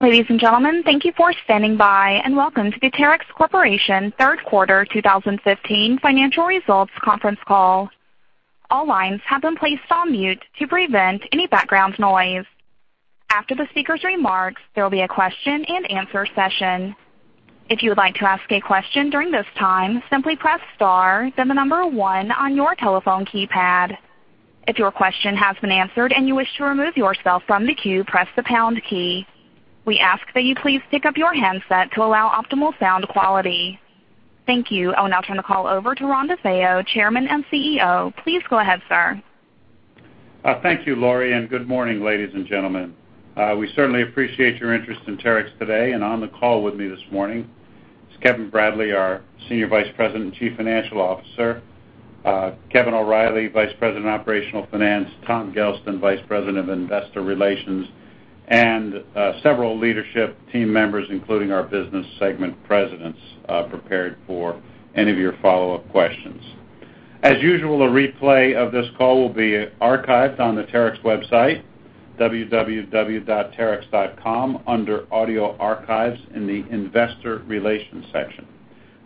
Ladies and gentlemen, thank you for standing by, and welcome to the Terex Corporation third quarter 2015 financial results conference call. All lines have been placed on mute to prevent any background noise. After the speaker's remarks, there will be a question and answer session. If you would like to ask a question during this time, simply press star, then the number 1 on your telephone keypad. If your question has been answered and you wish to remove yourself from the queue, press the pound key. We ask that you please pick up your handset to allow optimal sound quality. Thank you. I will now turn the call over to Ron DeFeo, Chairman and CEO. Please go ahead, sir. Thank you, Lorie, and good morning, ladies and gentlemen. We certainly appreciate your interest in Terex today. On the call with me this morning is Kevin Bradley, our Senior Vice President and Chief Financial Officer, Kevin O'Reilly, Vice President, Operational Finance, Tom Gelston, Vice President of Investor Relations, and several leadership team members, including our business segment presidents, prepared for any of your follow-up questions. As usual, a replay of this call will be archived on the Terex website, www.terex.com, under Audio Archives in the Investor Relations section.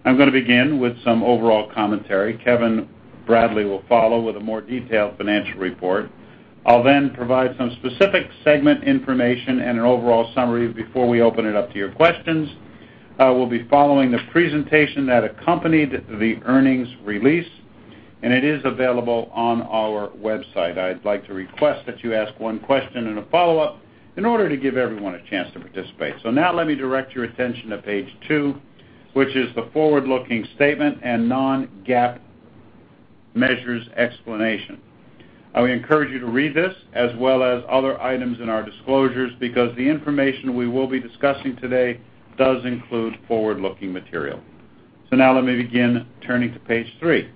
I'm going to begin with some overall commentary. Kevin Bradley will follow with a more detailed financial report. I'll then provide some specific segment information and an overall summary before we open it up to your questions. We'll be following the presentation that accompanied the earnings release, and it is available on our website. I'd like to request that you ask one question and a follow-up in order to give everyone a chance to participate. Now let me direct your attention to page two, which is the forward-looking statement and non-GAAP measures explanation. I would encourage you to read this as well as other items in our disclosures because the information we will be discussing today does include forward-looking material. Now let me begin turning to page three.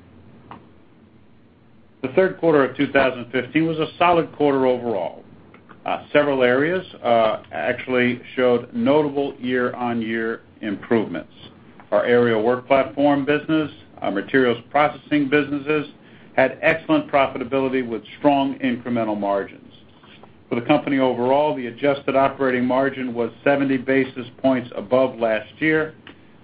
The third quarter of 2015 was a solid quarter overall. Several areas actually showed notable year-over-year improvements. Our Aerial Work Platforms business, our Materials Processing businesses, had excellent profitability with strong incremental margins. For the company overall, the adjusted operating margin was 70 basis points above last year,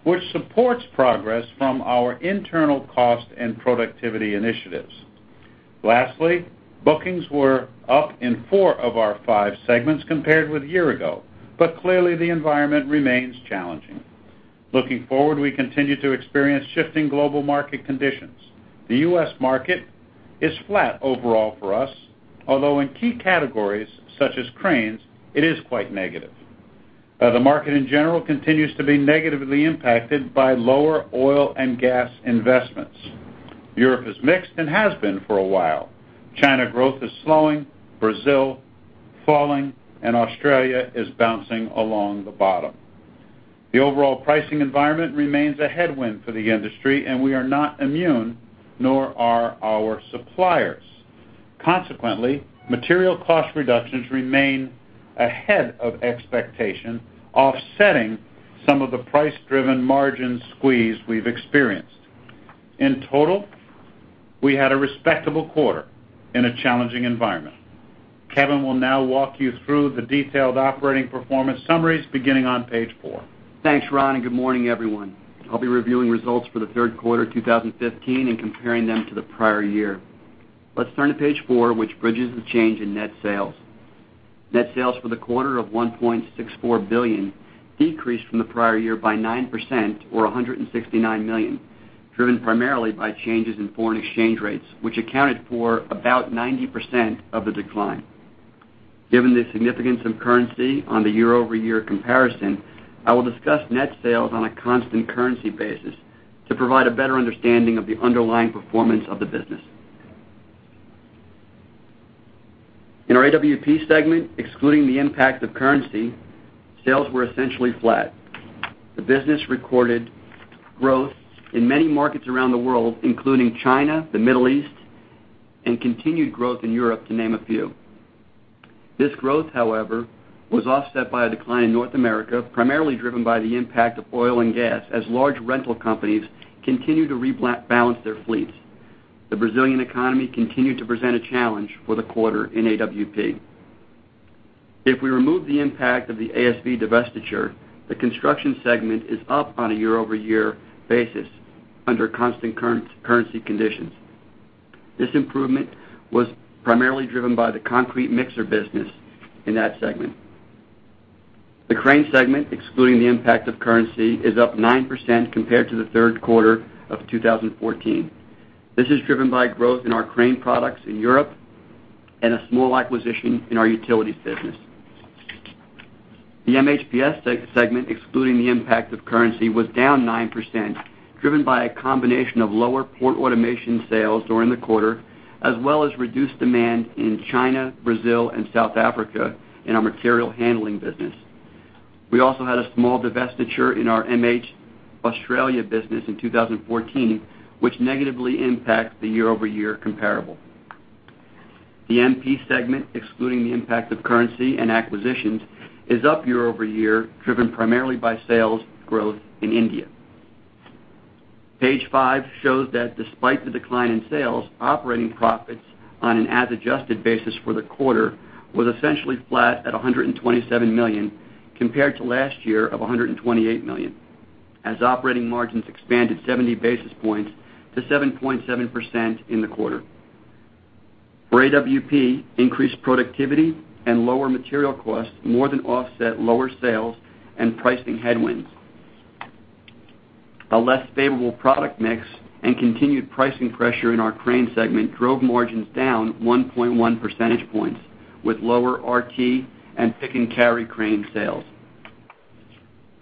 which supports progress from our internal cost and productivity initiatives. Lastly, bookings were up in four of our five segments compared with a year ago. Clearly, the environment remains challenging. Looking forward, we continue to experience shifting global market conditions. The U.S. market is flat overall for us, although in key categories such as cranes, it is quite negative. The market in general continues to be negatively impacted by lower oil and gas investments. Europe is mixed and has been for a while. China growth is slowing, Brazil falling, and Australia is bouncing along the bottom. The overall pricing environment remains a headwind for the industry, and we are not immune, nor are our suppliers. Consequently, material cost reductions remain ahead of expectation, offsetting some of the price-driven margin squeeze we've experienced. In total, we had a respectable quarter in a challenging environment. Kevin will now walk you through the detailed operating performance summaries beginning on page four. Thanks, Ron, and good morning, everyone. I will be reviewing results for the third quarter 2015 and comparing them to the prior year. Let's turn to page four, which bridges the change in net sales. Net sales for the quarter of $1.64 billion decreased from the prior year by 9% or $169 million, driven primarily by changes in foreign exchange rates, which accounted for about 90% of the decline. Given the significance of currency on the year-over-year comparison, I will discuss net sales on a constant currency basis to provide a better understanding of the underlying performance of the business. In our AWP segment, excluding the impact of currency, sales were essentially flat. The business recorded growth in many markets around the world, including China, the Middle East, and continued growth in Europe, to name a few. This growth, however, was offset by a decline in North America, primarily driven by the impact of oil and gas as large rental companies continue to rebalance their fleets. The Brazilian economy continued to present a challenge for the quarter in AWP. If we remove the impact of the ASV divestiture, the construction segment is up on a year-over-year basis under constant currency conditions. This improvement was primarily driven by the concrete mixer business in that segment. The crane segment, excluding the impact of currency, is up 9% compared to the third quarter of 2014. This is driven by growth in our crane products in Europe and a small acquisition in our utilities business. The MHPS segment, excluding the impact of currency, was down 9%, driven by a combination of lower port automation sales during the quarter, as well as reduced demand in China, Brazil, and South Africa in our material handling business. We also had a small divestiture in our MH Australia business in 2014, which negatively impacts the year-over-year comparable. The MP segment, excluding the impact of currency and acquisitions, is up year-over-year, driven primarily by sales growth in India. Page five shows that despite the decline in sales, operating profits on an as-adjusted basis for the quarter was essentially flat at $127 million compared to last year of $128 million, as operating margins expanded 70 basis points to 7.7% in the quarter. For AWP, increased productivity and lower material costs more than offset lower sales and pricing headwinds. A less favorable product mix and continued pricing pressure in our Cranes segment drove margins down 1.1 percentage points with lower RT and Pick and Carry crane sales.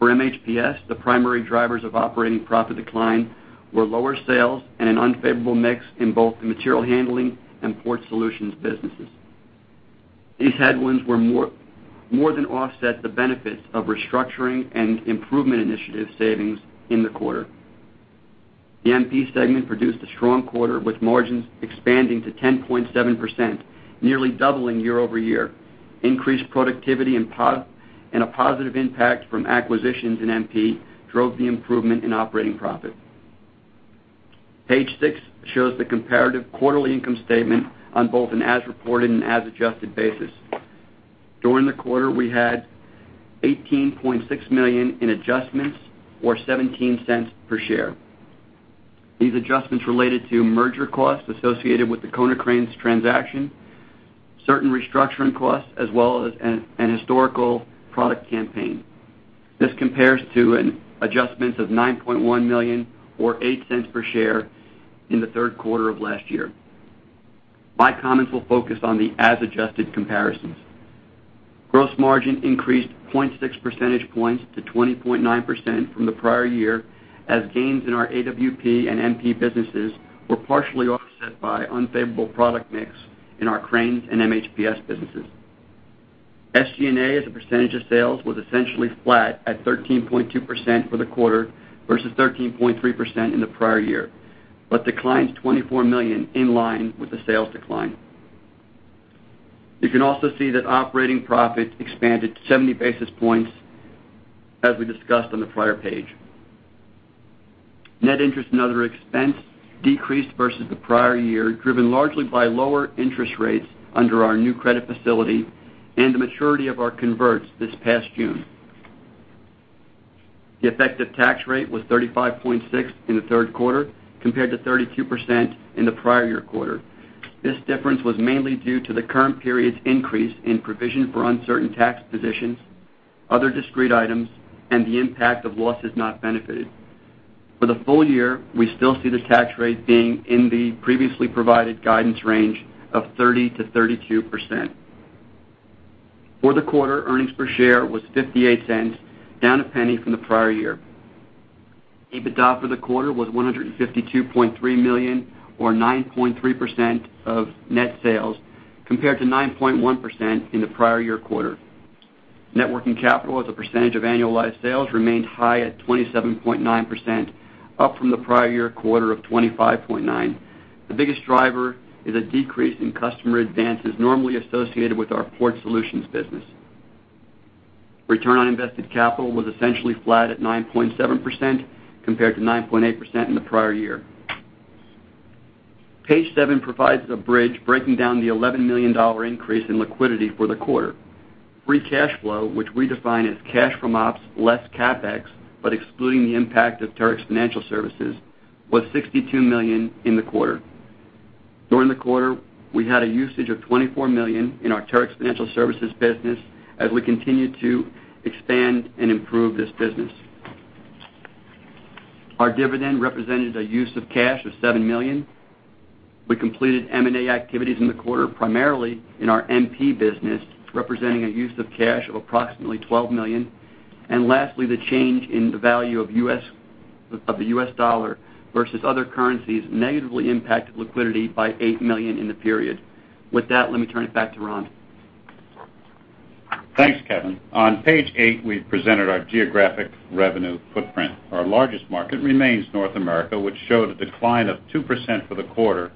For MHPS, the primary drivers of operating profit decline were lower sales and an unfavorable mix in both the material handling and port solutions businesses. These headwinds more than offset the benefits of restructuring and improvement initiative savings in the quarter. The MP segment produced a strong quarter with margins expanding to 10.7%, nearly doubling year-over-year. Increased productivity and a positive impact from acquisitions in MP drove the improvement in operating profit. Page six shows the comparative quarterly income statement on both an as-reported and as-adjusted basis. During the quarter, we had $18.6 million in adjustments, or $0.17 per share. These adjustments related to merger costs associated with the Konecranes transaction, certain restructuring costs, as well as an historical product campaign. This compares to adjustments of $9.1 million or $0.08 per share in the third quarter of last year. My comments will focus on the as-adjusted comparisons. Gross margin increased 0.6 percentage points to 20.9% from the prior year, as gains in our AWP and MP businesses were partially offset by unfavorable product mix in our Cranes and MHPS businesses. SG&A as a percentage of sales was essentially flat at 13.2% for the quarter versus 13.3% in the prior year, but declines $24 million in line with the sales decline. You can also see that operating profit expanded 70 basis points as we discussed on the prior page. Net interest and other expense decreased versus the prior year, driven largely by lower interest rates under our new credit facility and the maturity of our converts this past June. The effective tax rate was 35.6% in the third quarter, compared to 32% in the prior year quarter. This difference was mainly due to the current period's increase in provision for uncertain tax positions, other discrete items, and the impact of losses not benefited. For the full year, we still see the tax rate being in the previously provided guidance range of 30%-32%. For the quarter, earnings per share was $0.58, down a penny from the prior year. EBITDA for the quarter was $152.3 million or 9.3% of net sales, compared to 9.1% in the prior year quarter. Net working capital as a percentage of annualized sales remained high at 27.9%, up from the prior year quarter of 25.9%. The biggest driver is a decrease in customer advances normally associated with our Port Solutions business. Return on invested capital was essentially flat at 9.7% compared to 9.8% in the prior year. Page seven provides a bridge breaking down the $11 million increase in liquidity for the quarter. Free cash flow, which we define as cash from ops less CapEx, but excluding the impact of Terex Financial Services, was $62 million in the quarter. During the quarter, we had a usage of $24 million in our Terex Financial Services business as we continue to expand and improve this business. Our dividend represented a use of cash of $7 million. We completed M&A activities in the quarter, primarily in our MP business, representing a use of cash of approximately $12 million. Lastly, the change in the value of the U.S. dollar versus other currencies negatively impacted liquidity by $8 million in the period. With that, let me turn it back to Ron. Thanks, Kevin. On page eight, we've presented our geographic revenue footprint. Our largest market remains North America, which showed a decline of 2% for the quarter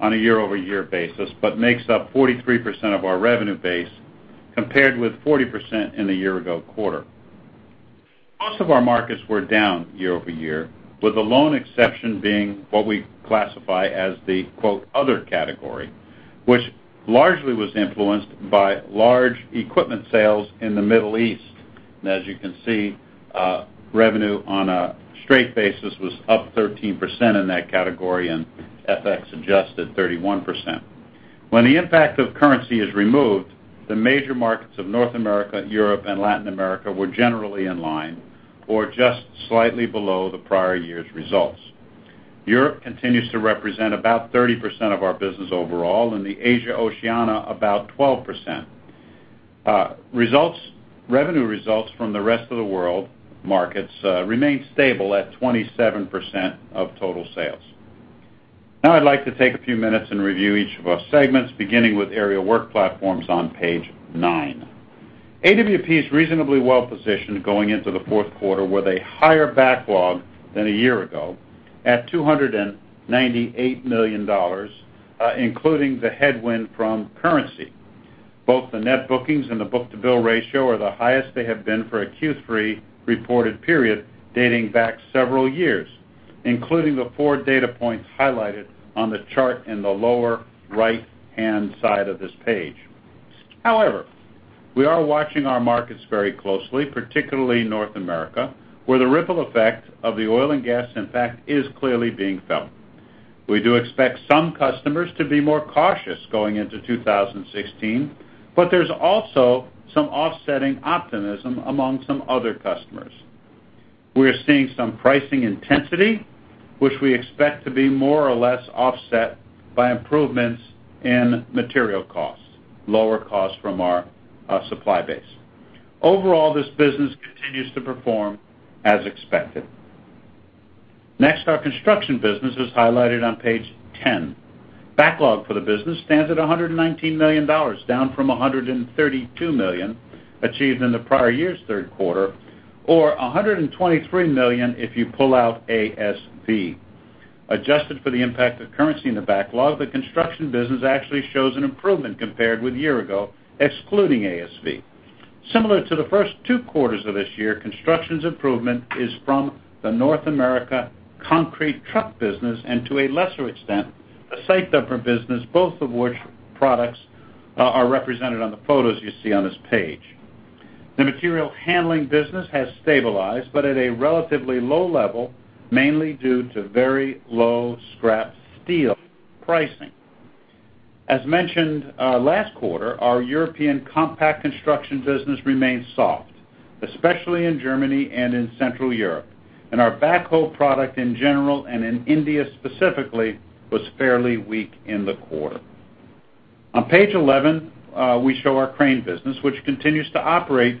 on a year-over-year basis, but makes up 43% of our revenue base, compared with 40% in the year-ago quarter. Most of our markets were down year-over-year, with the lone exception being what we classify as the "other category," which largely was influenced by large equipment sales in the Middle East. As you can see, revenue on a straight basis was up 13% in that category, and FX adjusted 31%. When the impact of currency is removed, the major markets of North America, Europe, and Latin America were generally in line or just slightly below the prior year's results. Europe continues to represent about 30% of our business overall, and the Asia/Oceania about 12%. Revenue results from the rest of the world markets remain stable at 27% of total sales. I'd like to take a few minutes and review each of our segments, beginning with Aerial Work Platforms on page nine. AWP is reasonably well-positioned going into the fourth quarter with a higher backlog than a year ago at $298 million, including the headwind from currency. Both the net bookings and the book-to-bill ratio are the highest they have been for a Q3 reported period dating back several years, including the four data points highlighted on the chart in the lower right-hand side of this page. We are watching our markets very closely, particularly North America, where the ripple effect of the oil and gas impact is clearly being felt. We do expect some customers to be more cautious going into 2016, but there's also some offsetting optimism among some other customers. We are seeing some pricing intensity, which we expect to be more or less offset by improvements in material costs, lower costs from our supply base. Overall, this business continues to perform as expected. Next, our construction business is highlighted on page 10. Backlog for the business stands at $119 million, down from $132 million achieved in the prior year's third quarter, or $123 million if you pull out ASV. Adjusted for the impact of currency in the backlog, the construction business actually shows an improvement compared with a year ago, excluding ASV. Similar to the first two quarters of this year, construction's improvement is from the North America concrete truck business and, to a lesser extent, the site dumper business, both of which products are represented on the photos you see on this page. The material handling business has stabilized, but at a relatively low level, mainly due to very low scrap steel pricing. As mentioned last quarter, our European compact construction business remains soft, especially in Germany and in Central Europe, and our backhoe product in general and in India specifically, was fairly weak in the quarter. On page 11, we show our crane business, which continues to operate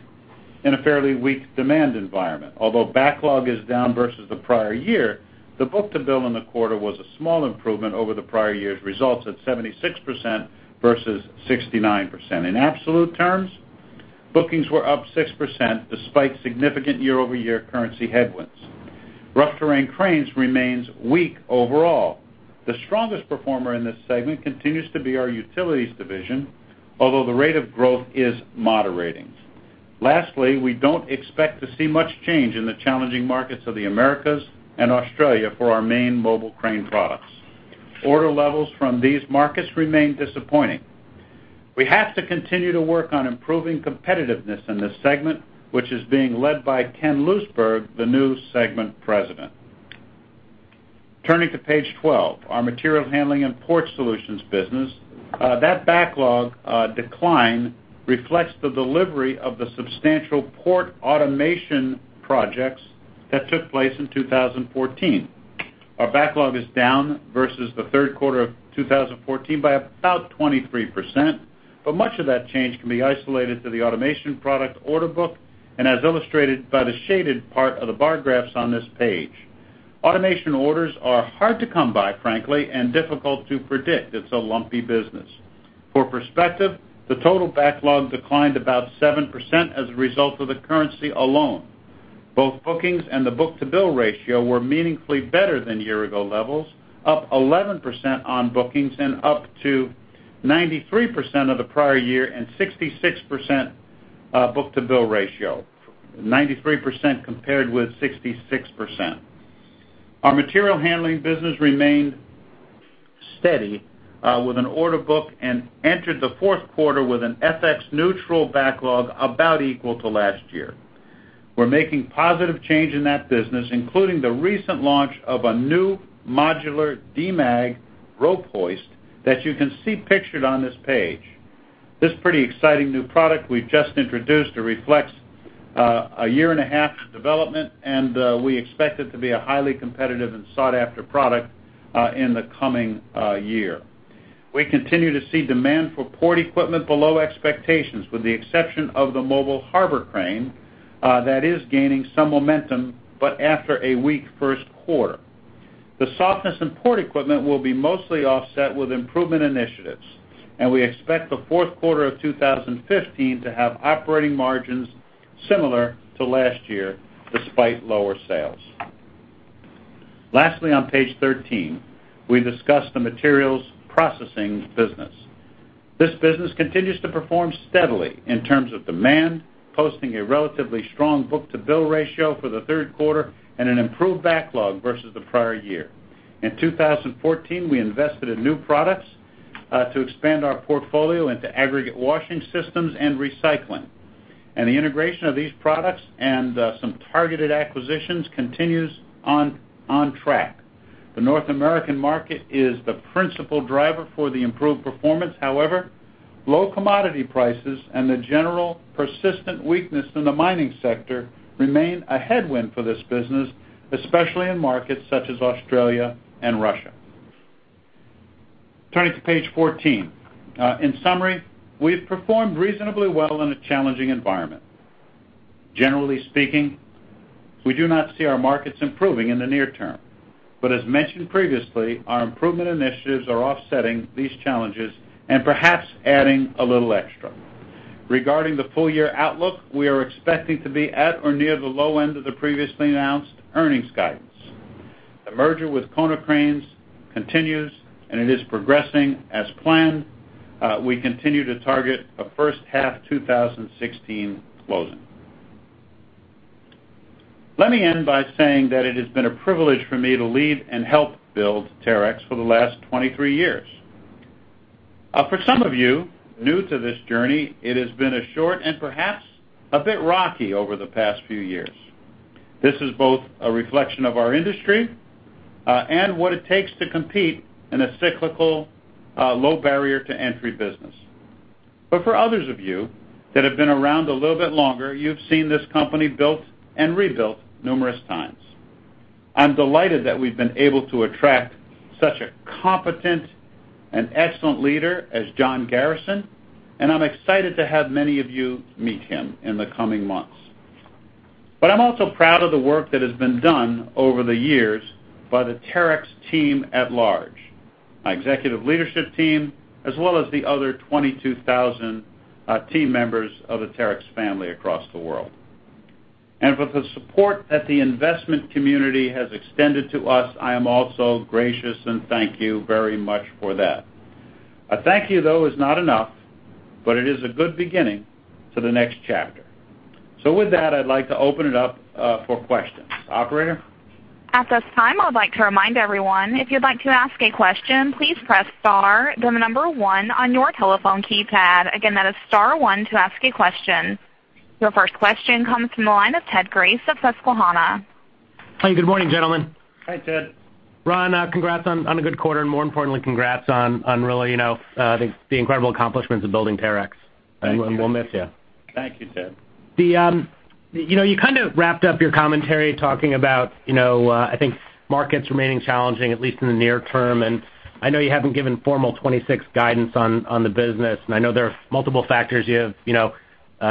in a fairly weak demand environment. Backlog is down versus the prior year, the book-to-bill in the quarter was a small improvement over the prior year's results at 76% versus 69%. In absolute terms, bookings were up 6% despite significant year-over-year currency headwinds. Rough terrain cranes remains weak overall. The strongest performer in this segment continues to be our utilities division, although the rate of growth is moderating. We don't expect to see much change in the challenging markets of the Americas and Australia for our main mobile crane products. Order levels from these markets remain disappointing. We have to continue to work on improving competitiveness in this segment, which is being led by Ken Lousberg, the new segment president. Turning to page 12, our Material Handling and Port Solutions business. That backlog decline reflects the delivery of the substantial port automation projects that took place in 2014. Our backlog is down versus the third quarter of 2014 by about 23%, but much of that change can be isolated to the automation product order book and as illustrated by the shaded part of the bar graphs on this page. Automation orders are hard to come by, frankly, and difficult to predict. It's a lumpy business. For perspective, the total backlog declined about 7% as a result of the currency alone. Both bookings and the book-to-bill ratio were meaningfully better than year-ago levels, up 11% on bookings and up to 93% of the prior year and 66% book-to-bill ratio. 93% compared with 66%. Our Material Handling business remained steady with an order book and entered the fourth quarter with an FX-neutral backlog about equal to last year. We are making positive change in that business, including the recent launch of a new modular Demag rope hoist that you can see pictured on this page. This pretty exciting new product we have just introduced reflects a year and a half of development, and we expect it to be a highly competitive and sought-after product in the coming year. We continue to see demand for port equipment below expectations, with the exception of the mobile harbor crane that is gaining some momentum, but after a weak first quarter. The softness in port equipment will be mostly offset with improvement initiatives, and we expect the fourth quarter of 2015 to have operating margins similar to last year despite lower sales. Lastly, on page 13, we discuss the Materials Processing business. This business continues to perform steadily in terms of demand, posting a relatively strong book-to-bill ratio for the third quarter and an improved backlog versus the prior year. In 2014, we invested in new products to expand our portfolio into aggregate washing systems and recycling. The integration of these products and some targeted acquisitions continues on track. The North American market is the principal driver for the improved performance. However, low commodity prices and the general persistent weakness in the mining sector remain a headwind for this business, especially in markets such as Australia and Russia. Turning to page 14. In summary, we have performed reasonably well in a challenging environment. Generally speaking, we do not see our markets improving in the near term. But as mentioned previously, our improvement initiatives are offsetting these challenges and perhaps adding a little extra. Regarding the full-year outlook, we are expecting to be at or near the low end of the previously announced earnings guidance. The merger with Konecranes continues, and it is progressing as planned. We continue to target a first-half 2016 closing. Let me end by saying that it has been a privilege for me to lead and help build Terex for the last 23 years. For some of you new to this journey, it has been short and perhaps a bit rocky over the past few years. This is both a reflection of our industry and what it takes to compete in a cyclical, low barrier to entry business. But for others of you that have been around a little bit longer, you have seen this company built and rebuilt numerous times. I am delighted that we have been able to attract such a competent and excellent leader as John Garrison, and I am excited to have many of you meet him in the coming months. But I am also proud of the work that has been done over the years by the Terex team at large, my executive leadership team, as well as the other 22,000 team members of the Terex family across the world. For the support that the investment community has extended to us, I am also gracious, and thank you very much for that. A thank you, though, is not enough, but it is a good beginning to the next chapter. With that, I'd like to open it up for questions. Operator? At this time, I would like to remind everyone, if you'd like to ask a question, please press star, then the number 1 on your telephone keypad. Again, that is star 1 to ask a question. Your first question comes from the line of Ted Grace of Susquehanna. Hi, good morning, gentlemen. Hi, Ted. Ron, congrats on a good quarter, and more importantly, congrats on really the incredible accomplishments of building Terex. Thank you. We'll miss you. Thank you, Ted. You kind of wrapped up your commentary talking about, I think, markets remaining challenging, at least in the near term. I know you haven't given formal 2016 guidance on the business, I know there are multiple factors. You have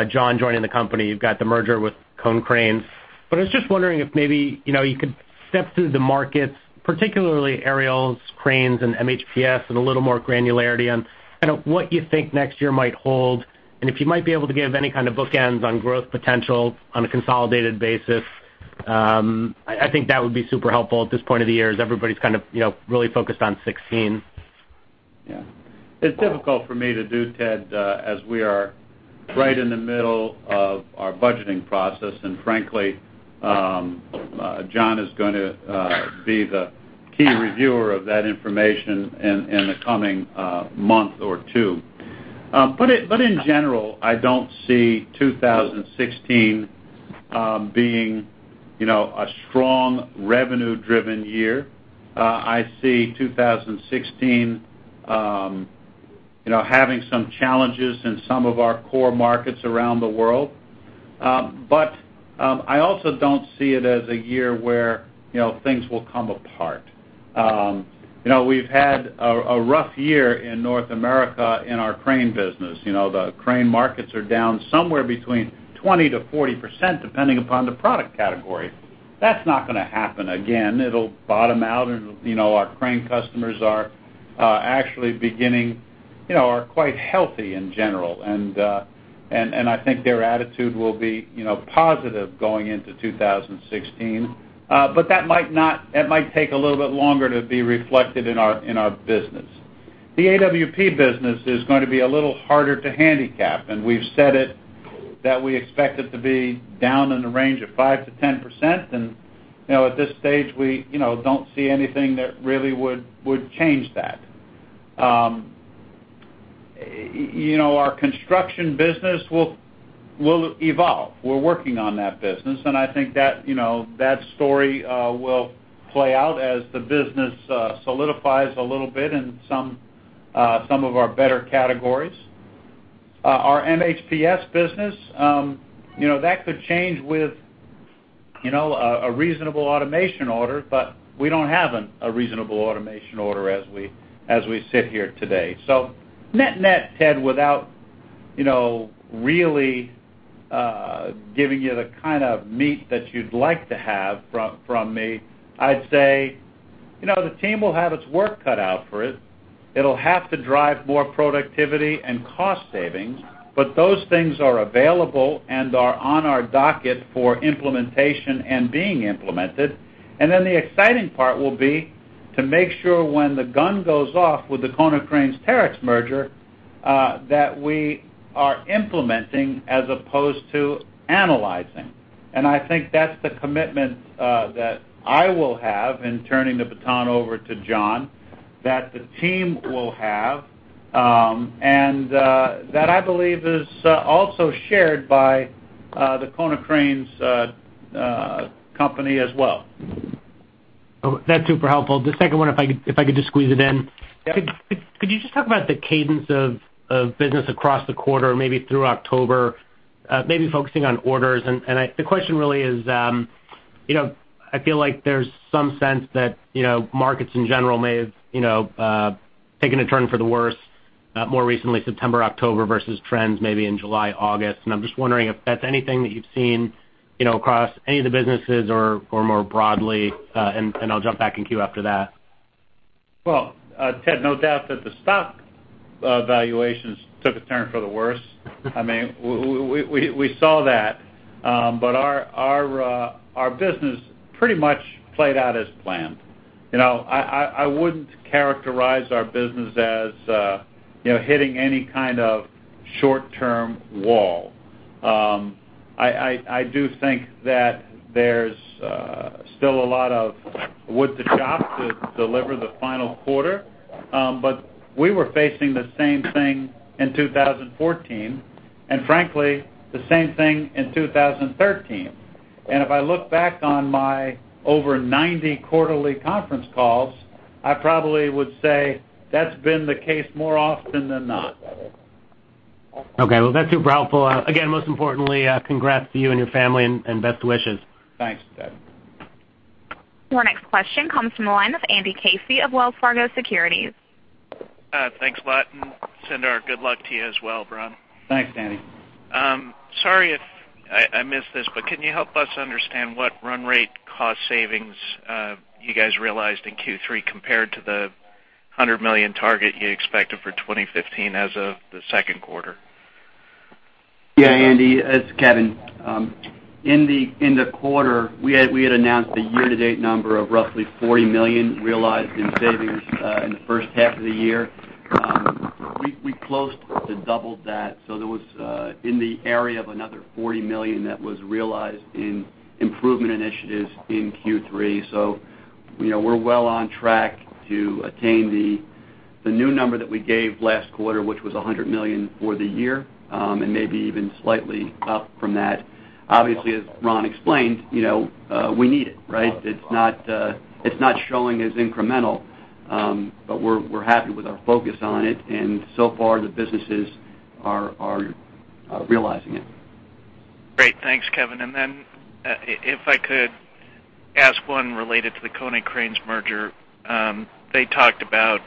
John joining the company. You've got the merger with Konecranes. I was just wondering if maybe you could step through the markets, particularly aerials, cranes, and MHPS, and a little more granularity on kind of what you think next year might hold, and if you might be able to give any kind of bookends on growth potential on a consolidated basis. I think that would be super helpful at this point of the year, as everybody's kind of really focused on 2016. Yeah. It's difficult for me to do, Ted, as we are right in the middle of our budgeting process. Frankly, John is going to be the key reviewer of that information in the coming month or two. In general, I don't see 2016 being a strong revenue-driven year. I see 2016 having some challenges in some of our core markets around the world. I also don't see it as a year where things will come apart. We've had a rough year in North America in our crane business. The crane markets are down somewhere between 20%-40%, depending upon the product category. That's not going to happen again. It'll bottom out, and our crane customers are actually quite healthy in general, and I think their attitude will be positive going into 2016. That might take a little bit longer to be reflected in our business. The AWP business is going to be a little harder to handicap, and we've said it that we expect it to be down in the range of 5%-10%, and at this stage, we don't see anything that really would change that. Our construction business will evolve. We're working on that business, and I think that story will play out as the business solidifies a little bit in some of our better categories. Our MHPS business, that could change with a reasonable automation order, we don't have a reasonable automation order as we sit here today. Net-net, Ted, without really giving you the kind of meat that you'd like to have from me, I'd say the team will have its work cut out for it. It'll have to drive more productivity and cost savings, those things are available and are on our docket for implementation and being implemented. The exciting part will be to make sure when the gun goes off with the Konecranes Terex merger, that we are implementing as opposed to analyzing. I think that's the commitment that I will have in turning the baton over to John, that the team will have, and that I believe is also shared by the Konecranes company as well. That's super helpful. The second one, if I could just squeeze it in. Yep. Could you just talk about the cadence of business across the quarter, maybe through October, maybe focusing on orders. The question really is, I feel like there's some sense that markets in general may have taken a turn for the worse, more recently September, October, versus trends maybe in July, August. I'm just wondering if that's anything that you've seen across any of the businesses or more broadly, and I'll jump back in queue after that. Well, Ted, no doubt that the stock valuations took a turn for the worse. We saw that. Our business pretty much played out as planned. I wouldn't characterize our business as hitting any kind of short-term wall. I do think that there's still a lot of wood to chop to deliver the final quarter. We were facing the same thing in 2014 and frankly, the same thing in 2013. If I look back on my over 90 quarterly conference calls, I probably would say that's been the case more often than not. Okay. Well, that's super helpful. Again, most importantly, congrats to you and your family and best wishes. Thanks, Ted. Our next question comes from the line of Andrew Casey of Wells Fargo Securities. Thanks a lot. Send our good luck to you as well, Ron. Thanks, Andy. Sorry if I missed this, can you help us understand what run rate cost savings you guys realized in Q3 compared to the $100 million target you expected for 2015 as of the second quarter? Yeah, Andy, it's Kevin. In the quarter, we had announced a year-to-date number of roughly $40 million realized in savings in the first half of the year. We closely to doubled that. There was in the area of another $40 million that was realized in improvement initiatives in Q3. We're well on track to attain the new number that we gave last quarter, which was $100 million for the year, and maybe even slightly up from that. Obviously, as Ron explained, we need it. It's not showing as incremental, but we're happy with our focus on it, and so far the businesses are realizing it. Great. Thanks, Kevin. If I could ask one related to the Konecranes merger. They talked about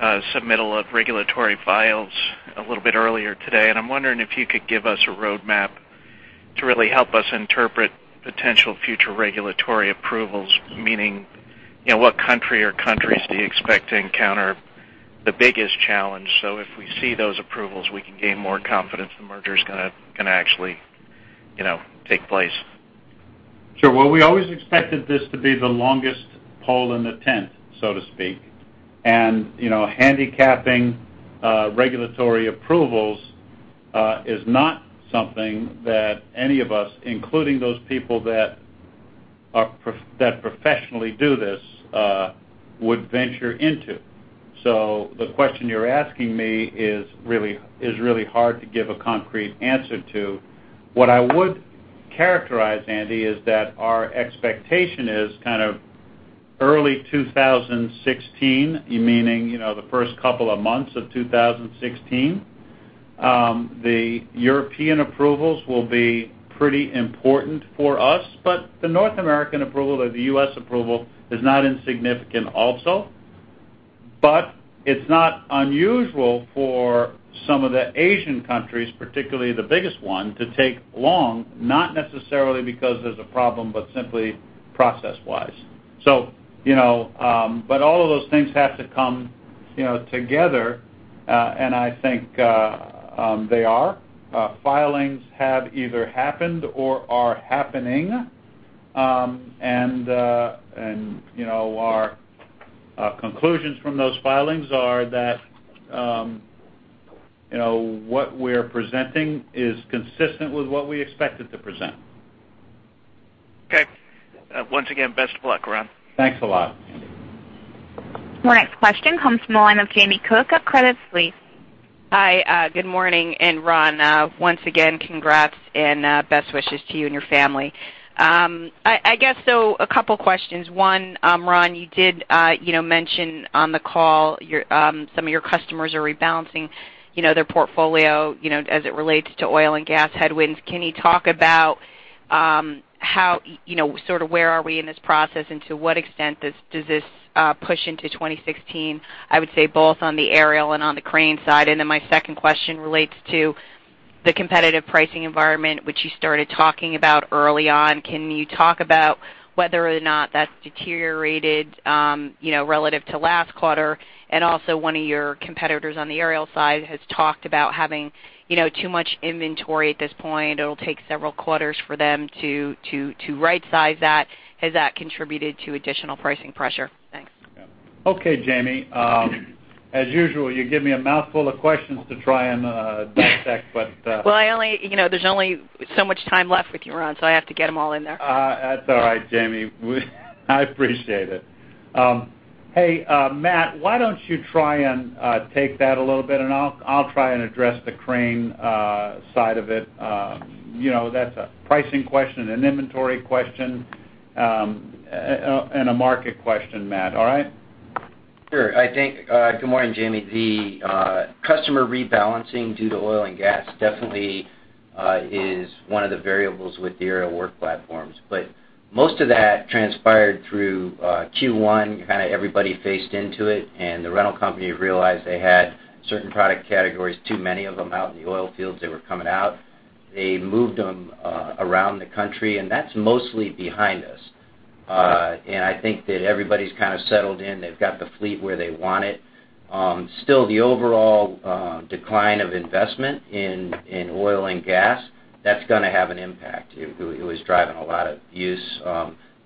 submittal of regulatory files a little bit earlier today. I'm wondering if you could give us a roadmap to really help us interpret potential future regulatory approvals, meaning what country or countries do you expect to encounter the biggest challenge? If we see those approvals, we can gain more confidence the merger's going to actually take place. Sure. Well, we always expected this to be the longest pole in the tent, so to speak. Handicapping regulatory approvals is not something that any of us, including those people that professionally do this, would venture into. The question you're asking me is really hard to give a concrete answer to. What I would characterize, Andy, is that our expectation is kind of early 2016, meaning the first couple of months of 2016. The European approvals will be pretty important for us, but the North American approval or the U.S. approval is not insignificant also. It's not unusual for some of the Asian countries, particularly the biggest one, to take long, not necessarily because there's a problem, but simply process-wise. All of those things have to come together, and I think they are. Filings have either happened or are happening. Our conclusions from those filings are that what we're presenting is consistent with what we expected to present. Okay. Once again, best of luck, Ron. Thanks a lot, Andy. Our next question comes from the line of Jamie Cook of Credit Suisse. Hi, good morning. Ron, once again, congrats and best wishes to you and your family. I guess so a couple of questions. One, Ron, you did mention on the call some of your customers are rebalancing their portfolio as it relates to oil and gas headwinds. Can you talk about sort of where are we in this process and to what extent does this push into 2016, I would say both on the aerial and on the crane side? My second question relates to the competitive pricing environment, which you started talking about early on. Can you talk about whether or not that's deteriorated relative to last quarter? Also, one of your competitors on the aerial side has talked about having too much inventory at this point. It'll take several quarters for them to right-size that. Has that contributed to additional pricing pressure? Thanks. Okay, Jamie. As usual, you give me a mouthful of questions to try and dissect. Well, there's only so much time left with you, Ron, I have to get them all in there. That's all right, Jamie. I appreciate it. Hey, Matt, why don't you try and take that a little bit, I'll try and address the crane side of it. That's a pricing question, an inventory question, and a market question, Matt. All right? Sure. Good morning, Jamie. The customer rebalancing due to oil and gas definitely is one of the variables with the Aerial Work Platforms. Most of that transpired through Q1. Everybody faced into it, and the rental companies realized they had certain product categories, too many of them out in the oil fields. They were coming out They moved them around the country, that's mostly behind us. I think that everybody's kind of settled in. They've got the fleet where they want it. Still, the overall decline of investment in oil and gas, that's going to have an impact. It was driving a lot of use.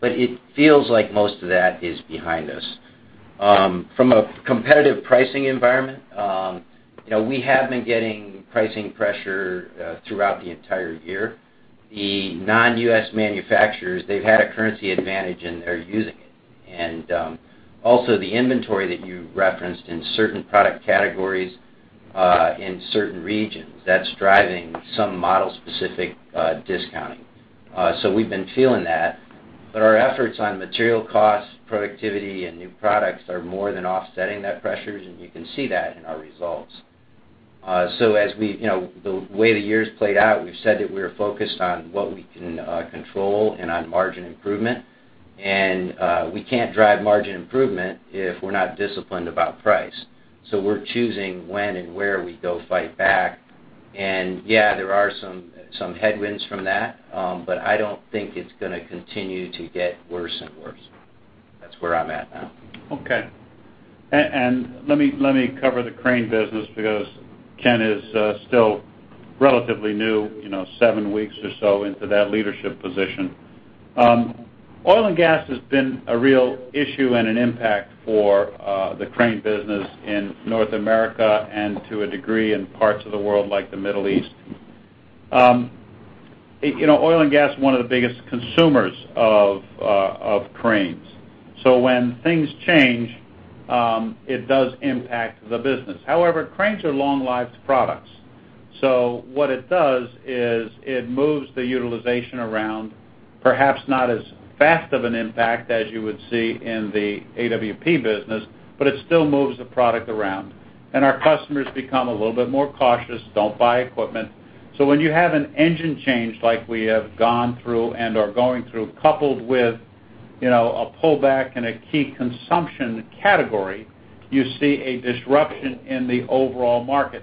It feels like most of that is behind us. From a competitive pricing environment, we have been getting pricing pressure throughout the entire year. The non-U.S. manufacturers, they've had a currency advantage, and they're using it. Also, the inventory that you referenced in certain product categories in certain regions, that's driving some model-specific discounting. We've been feeling that. Our efforts on material costs, productivity, and new products are more than offsetting that pressures, and you can see that in our results. The way the year's played out, we've said that we're focused on what we can control and on margin improvement, and we can't drive margin improvement if we're not disciplined about price. We're choosing when and where we go fight back, and yeah, there are some headwinds from that. I don't think it's going to continue to get worse and worse. That's where I'm at now. Okay. Let me cover the crane business because Ken is still relatively new, seven weeks or so into that leadership position. Oil and gas has been a real issue and an impact for the crane business in North America and to a degree, in parts of the world like the Middle East. Oil and gas is one of the biggest consumers of cranes. When things change, it does impact the business. However, cranes are long-lived products. What it does is it moves the utilization around, perhaps not as fast of an impact as you would see in the AWP business, but it still moves the product around. Our customers become a little bit more cautious, don't buy equipment. When you have an engine change like we have gone through and are going through, coupled with a pullback in a key consumption category, you see a disruption in the overall market.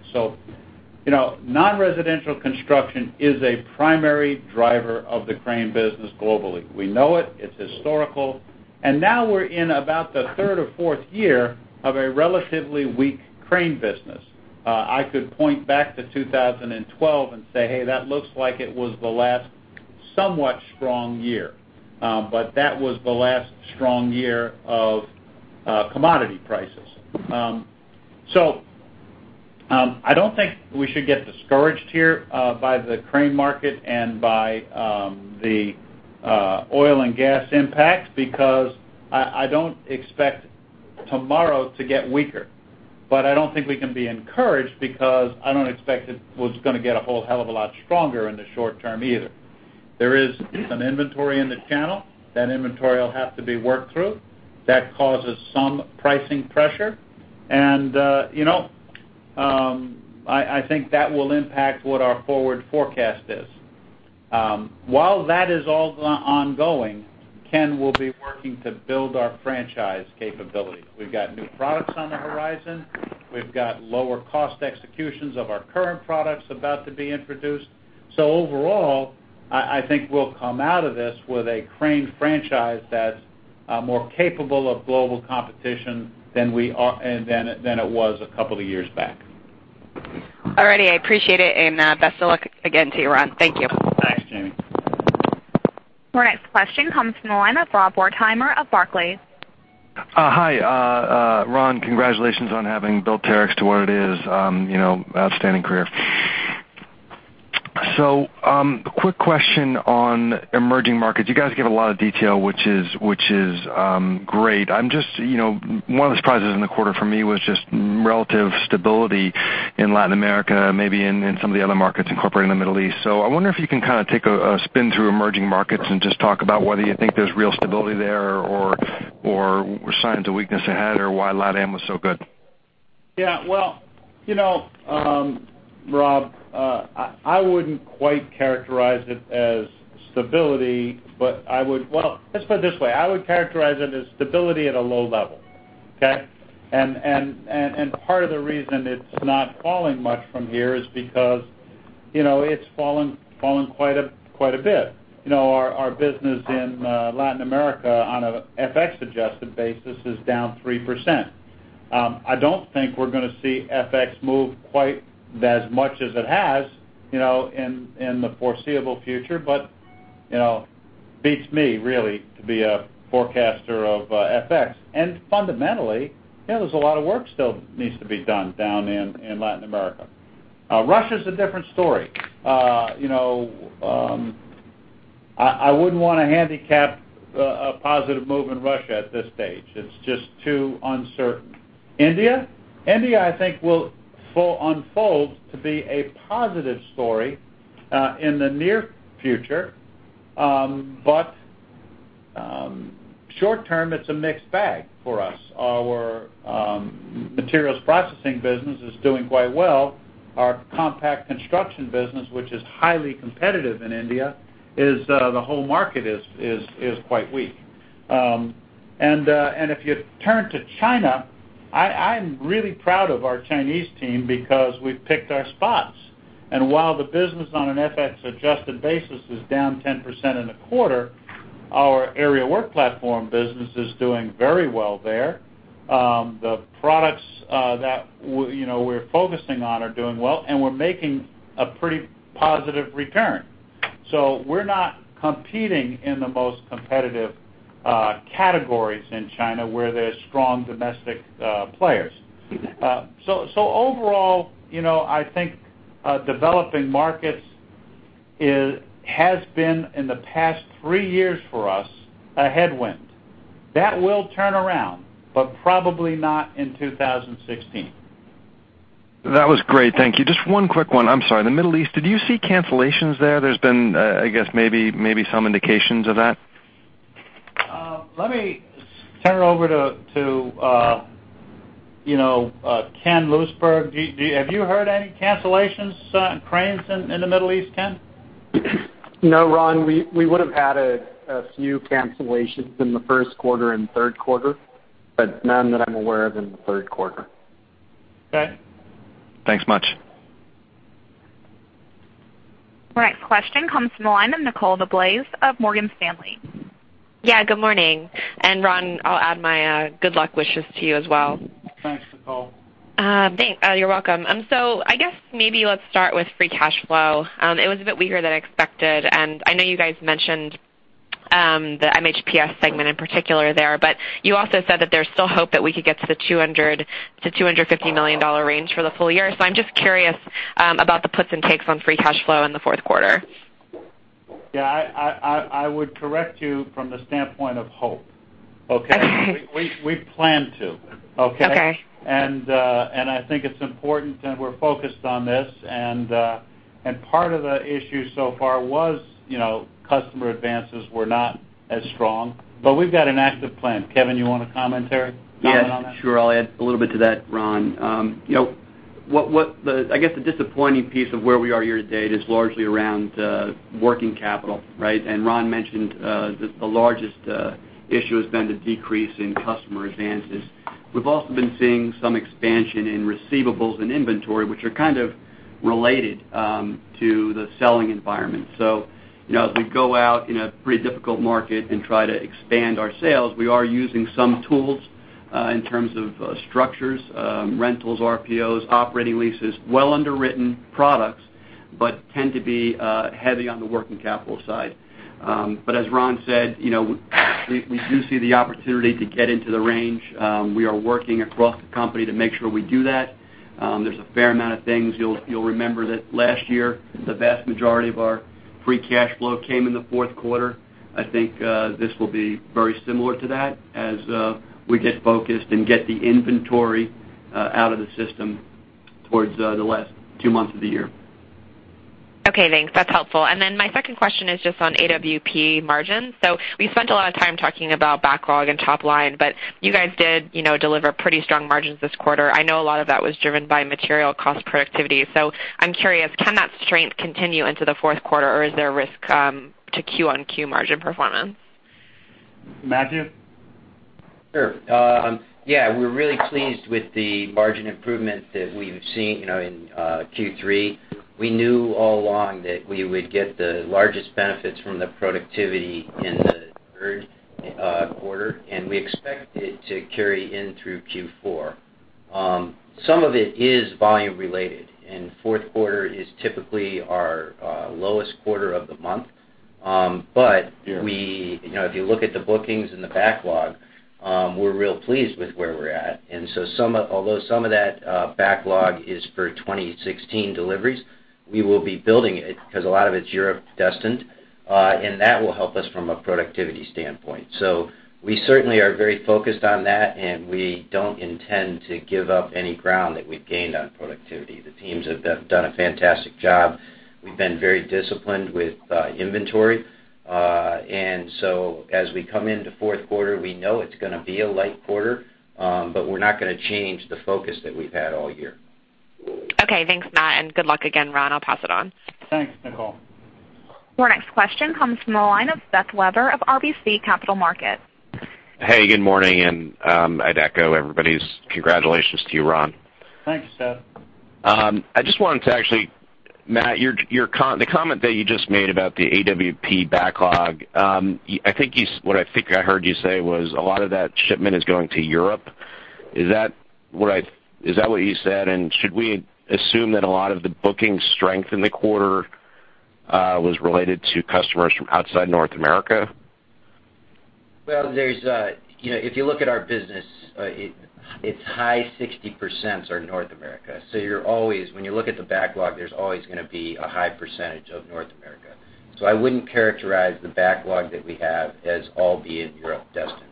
Non-residential construction is a primary driver of the crane business globally. We know it's historical, and now we're in about the third or fourth year of a relatively weak crane business. I could point back to 2012 and say, "Hey, that looks like it was the last somewhat strong year." That was the last strong year of commodity prices. I don't think we should get discouraged here by the crane market and by the oil and gas impact because I don't expect tomorrow to get weaker. I don't think we can be encouraged because I don't expect it was going to get a whole hell of a lot stronger in the short term either. There is some inventory in the channel. That inventory will have to be worked through. That causes some pricing pressure, and I think that will impact what our forward forecast is. While that is all ongoing, Ken will be working to build our franchise capability. We've got new products on the horizon. We've got lower cost executions of our current products about to be introduced. Overall, I think we'll come out of this with a crane franchise that's more capable of global competition than it was a couple of years back. All righty, I appreciate it. Best of luck again to you, Ron. Thank you. Thanks, Jamie. Our next question comes from the line of Rob Wertheimer of Barclays. Hi. Ron, congratulations on having built Terex to where it is. Outstanding career. A quick question on emerging markets. You guys give a lot of detail, which is great. One of the surprises in the quarter for me was just relative stability in Latin America, maybe in some of the other markets, incorporating the Middle East. I wonder if you can kind of take a spin through emerging markets and just talk about whether you think there's real stability there or signs of weakness ahead or why LatAm was so good. Yeah. Well, Rob, I wouldn't quite characterize it as stability, but let's put it this way. I would characterize it as stability at a low level, okay? Part of the reason it's not falling much from here is because it's fallen quite a bit. Our business in Latin America on an FX-adjusted basis is down 3%. I don't think we're going to see FX move quite as much as it has in the foreseeable future, but beats me, really, to be a forecaster of FX. Fundamentally, there's a lot of work still needs to be done down in Latin America. Russia's a different story. I wouldn't want to handicap a positive move in Russia at this stage. It's just too uncertain. India. India, I think will unfold to be a positive story in the near future. Short-term, it's a mixed bag for us. Our Material Processing business is doing quite well. Our compact construction business, which is highly competitive in India, the whole market is quite weak. If you turn to China I'm really proud of our Chinese team because we've picked our spots. While the business on an FX adjusted basis is down 10% in the quarter, our Aerial Work Platforms business is doing very well there. The products that we're focusing on are doing well, and we're making a pretty positive return. We're not competing in the most competitive categories in China where there's strong domestic players. Overall, I think developing markets has been, in the past three years for us, a headwind. That will turn around, but probably not in 2016. That was great. Thank you. Just one quick one. I'm sorry. The Middle East, did you see cancellations there? There's been, I guess maybe some indications of that. Let me turn it over to Ken Lousberg. Have you heard any cancellations on cranes in the Middle East, Ken? No, Ron. We would've had a few cancellations in the first quarter and third quarter, but none that I'm aware of in the third quarter. Okay. Thanks much. Our next question comes from the line of Nicole DeBlase of Morgan Stanley. Yeah, good morning. Ron, I'll add my good luck wishes to you as well. Thanks, Nicole. You're welcome. I guess maybe let's start with free cash flow. It was a bit weaker than expected, and I know you guys mentioned the MHPS segment in particular there, but you also said that there's still hope that we could get to the $200 million-$250 million range for the full year. I'm just curious about the puts and takes on free cash flow in the fourth quarter. Yeah, I would correct you from the standpoint of hope. Okay? Okay. We plan to, okay? Okay. I think it's important, and we're focused on this, and part of the issue so far was customer advances were not as strong, but we've got an active plan. Kevin, you want to comment there, comment on that? Yes, sure. I'll add a little bit to that, Ron. I guess the disappointing piece of where we are year to date is largely around working capital, right? Ron mentioned, the largest issue has been the decrease in customer advances. We've also been seeing some expansion in receivables and inventory, which are kind of related to the selling environment. As we go out in a pretty difficult market and try to expand our sales, we are using some tools, in terms of structures, rentals, RPOs, operating leases, well underwritten products, but tend to be heavy on the working capital side. As Ron said, we do see the opportunity to get into the range. We are working across the company to make sure we do that. There's a fair amount of things. You'll remember that last year, the vast majority of our free cash flow came in the fourth quarter. I think, this will be very similar to that as we get focused and get the inventory out of the system towards the last two months of the year. Okay, thanks. That's helpful. My second question is just on AWP margins. We spent a lot of time talking about backlog and top line, you guys did deliver pretty strong margins this quarter. I know a lot of that was driven by material cost productivity. I'm curious, can that strength continue into the fourth quarter, or is there a risk to Q on Q margin performance? Matthew? Sure. Yeah, we're really pleased with the margin improvements that we've seen in Q3. We knew all along that we would get the largest benefits from the productivity in the third quarter, we expect it to carry in through Q4. Some of it is volume related, fourth quarter is typically our lowest quarter of the month. Yeah. If you look at the bookings and the backlog, we're real pleased with where we're at. Although some of that backlog is for 2016 deliveries, we will be building it because a lot of it's Europe destined. That will help us from a productivity standpoint. We certainly are very focused on that, and we don't intend to give up any ground that we've gained on productivity. The teams have done a fantastic job. We've been very disciplined with inventory. As we come into fourth quarter, we know it's going to be a light quarter, we're not going to change the focus that we've had all year. Okay. Thanks, Matt, and good luck again, Ron. I'll pass it on. Thanks, Nicole. Our next question comes from the line of Seth Weber of RBC Capital Markets. Hey, good morning, and I'd echo everybody's congratulations to you, Ron. Thanks, Seth. I just wanted to Matt, the comment that you just made about the AWP backlog, what I think I heard you say was a lot of that shipment is going to Europe. Is that what you said, and should we assume that a lot of the booking strength in the quarter was related to customers from outside North America? Well, if you look at our business, its high 60% are North America. When you look at the backlog, there's always going to be a high percentage of North America. I wouldn't characterize the backlog that we have as all being Europe destined.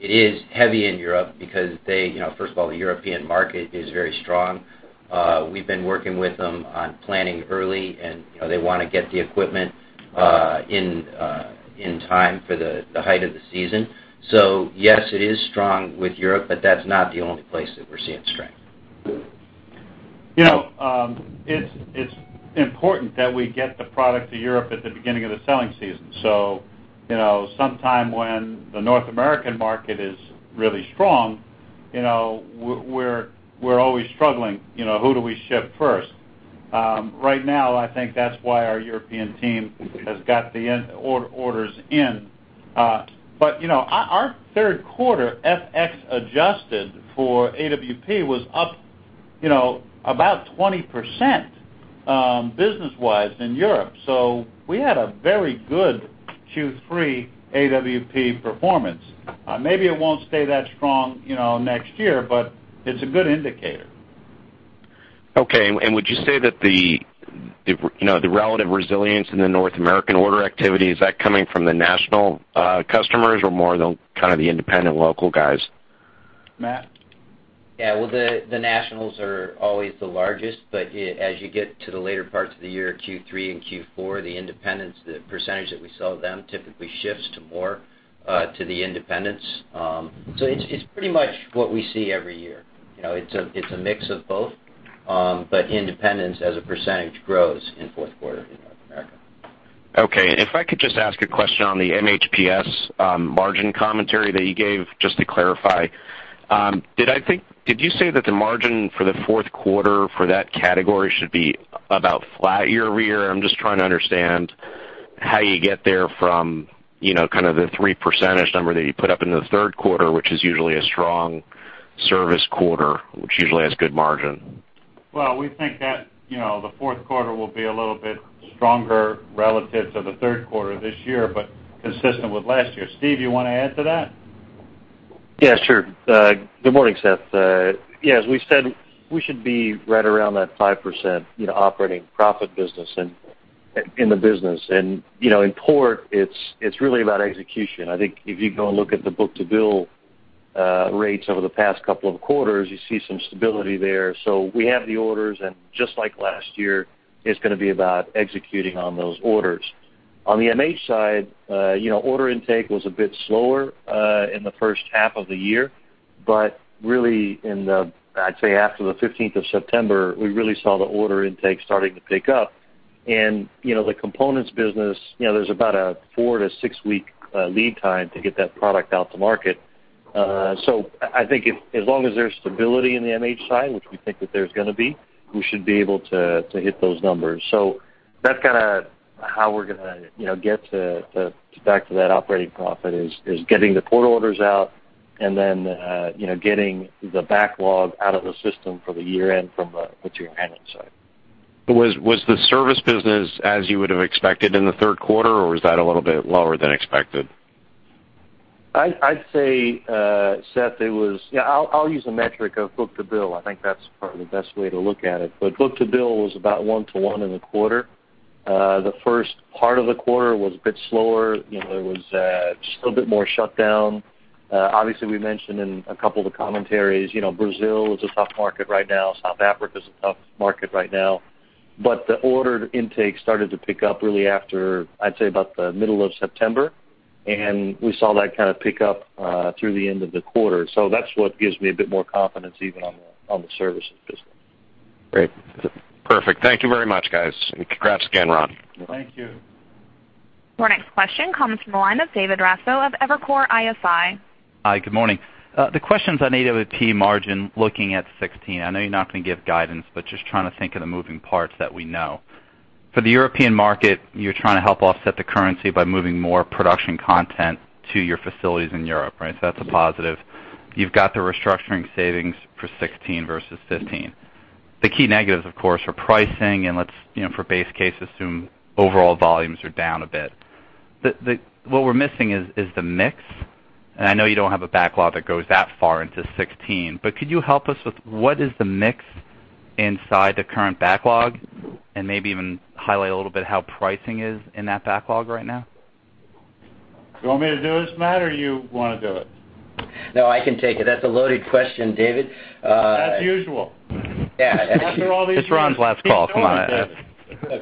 It is heavy in Europe because first of all, the European market is very strong. We've been working with them on planning early, and they want to get the equipment in time for the height of the season. Yes, it is strong with Europe, but that's not the only place that we're seeing strength. It's important that we get the product to Europe at the beginning of the selling season. Sometime when the North American market is really strong, we're always struggling, who do we ship first? Right now, I think that's why our European team has got the orders in. Our third quarter FX adjusted for AWP was up about 20% business-wise in Europe. We had a very good Q3 AWP performance. Maybe it won't stay that strong next year, but it's a good indicator. Okay, would you say that the relative resilience in the North American order activity, is that coming from the national customers or more the kind of the independent local guys? Matt? Yeah. Well, the nationals are always the largest, but as you get to the later parts of the year, Q3 and Q4, the independents, the percentage that we sell to them typically shifts more to the independents. It's pretty much what we see every year. It's a mix of both. Independents, as a percentage, grows in the fourth quarter in North America. Okay. If I could just ask a question on the MHPS margin commentary that you gave, just to clarify. Did you say that the margin for the fourth quarter for that category should be about flat year-over-year? I'm just trying to understand how you get there from kind of the 3% number that you put up into the third quarter, which is usually a strong service quarter, which usually has good margin. Well, we think that the fourth quarter will be a little bit stronger relative to the third quarter this year, but consistent with last year. Steve, you want to add to that? Good morning, Seth. As we said, we should be right around that 5% operating profit in the business. In port, it's really about execution. I think if you go and look at the book-to-bill rates over the past couple of quarters, you see some stability there. We have the orders, and just like last year, it's going to be about executing on those orders. On the MH side, order intake was a bit slower in the first half of the year. Really in the, I'd say, after the 15th of September, we really saw the order intake starting to pick up and the components business, there's about a four to six-week lead time to get that product out to market. I think as long as there's stability in the MH side, which we think that there's going to be, we should be able to hit those numbers. That's kind of how we're going to get back to that operating profit, is getting the port orders out and then getting the backlog out of the system for the year-end from a material management side. Was the service business as you would have expected in the third quarter, or was that a little bit lower than expected? I'd say, Seth, I'll use the metric of book-to-bill. I think that's probably the best way to look at it. Book-to-bill was about 1 to 1 in the quarter. The first part of the quarter was a bit slower. There was a little bit more shutdown. Obviously, we mentioned in a couple of the commentaries, Brazil is a tough market right now. South Africa is a tough market right now. The order intake started to pick up really after, I'd say about the middle of September, and we saw that kind of pick up through the end of the quarter. That's what gives me a bit more confidence even on the services business. Great. Perfect. Thank you very much, guys. Congrats again, Ron. Thank you. Our next question comes from the line of David Raso of Evercore ISI. Hi, good morning. The questions on AWP margin, looking at 2016, I know you're not going to give guidance, but just trying to think of the moving parts that we know. For the European market, you're trying to help offset the currency by moving more production content to your facilities in Europe, right? That's a positive. You've got the restructuring savings for 2016 versus 2015. The key negatives, of course, are pricing. Let's, for base case, assume overall volumes are down a bit. What we're missing is the mix. I know you don't have a backlog that goes that far into 2016, but could you help us with what is the mix inside the current backlog and maybe even highlight a little bit how pricing is in that backlog right now? You want me to do this, Matt, or you want to do it? No, I can take it. That's a loaded question, David. As usual. It's Ron's last call. Come on. Keep going,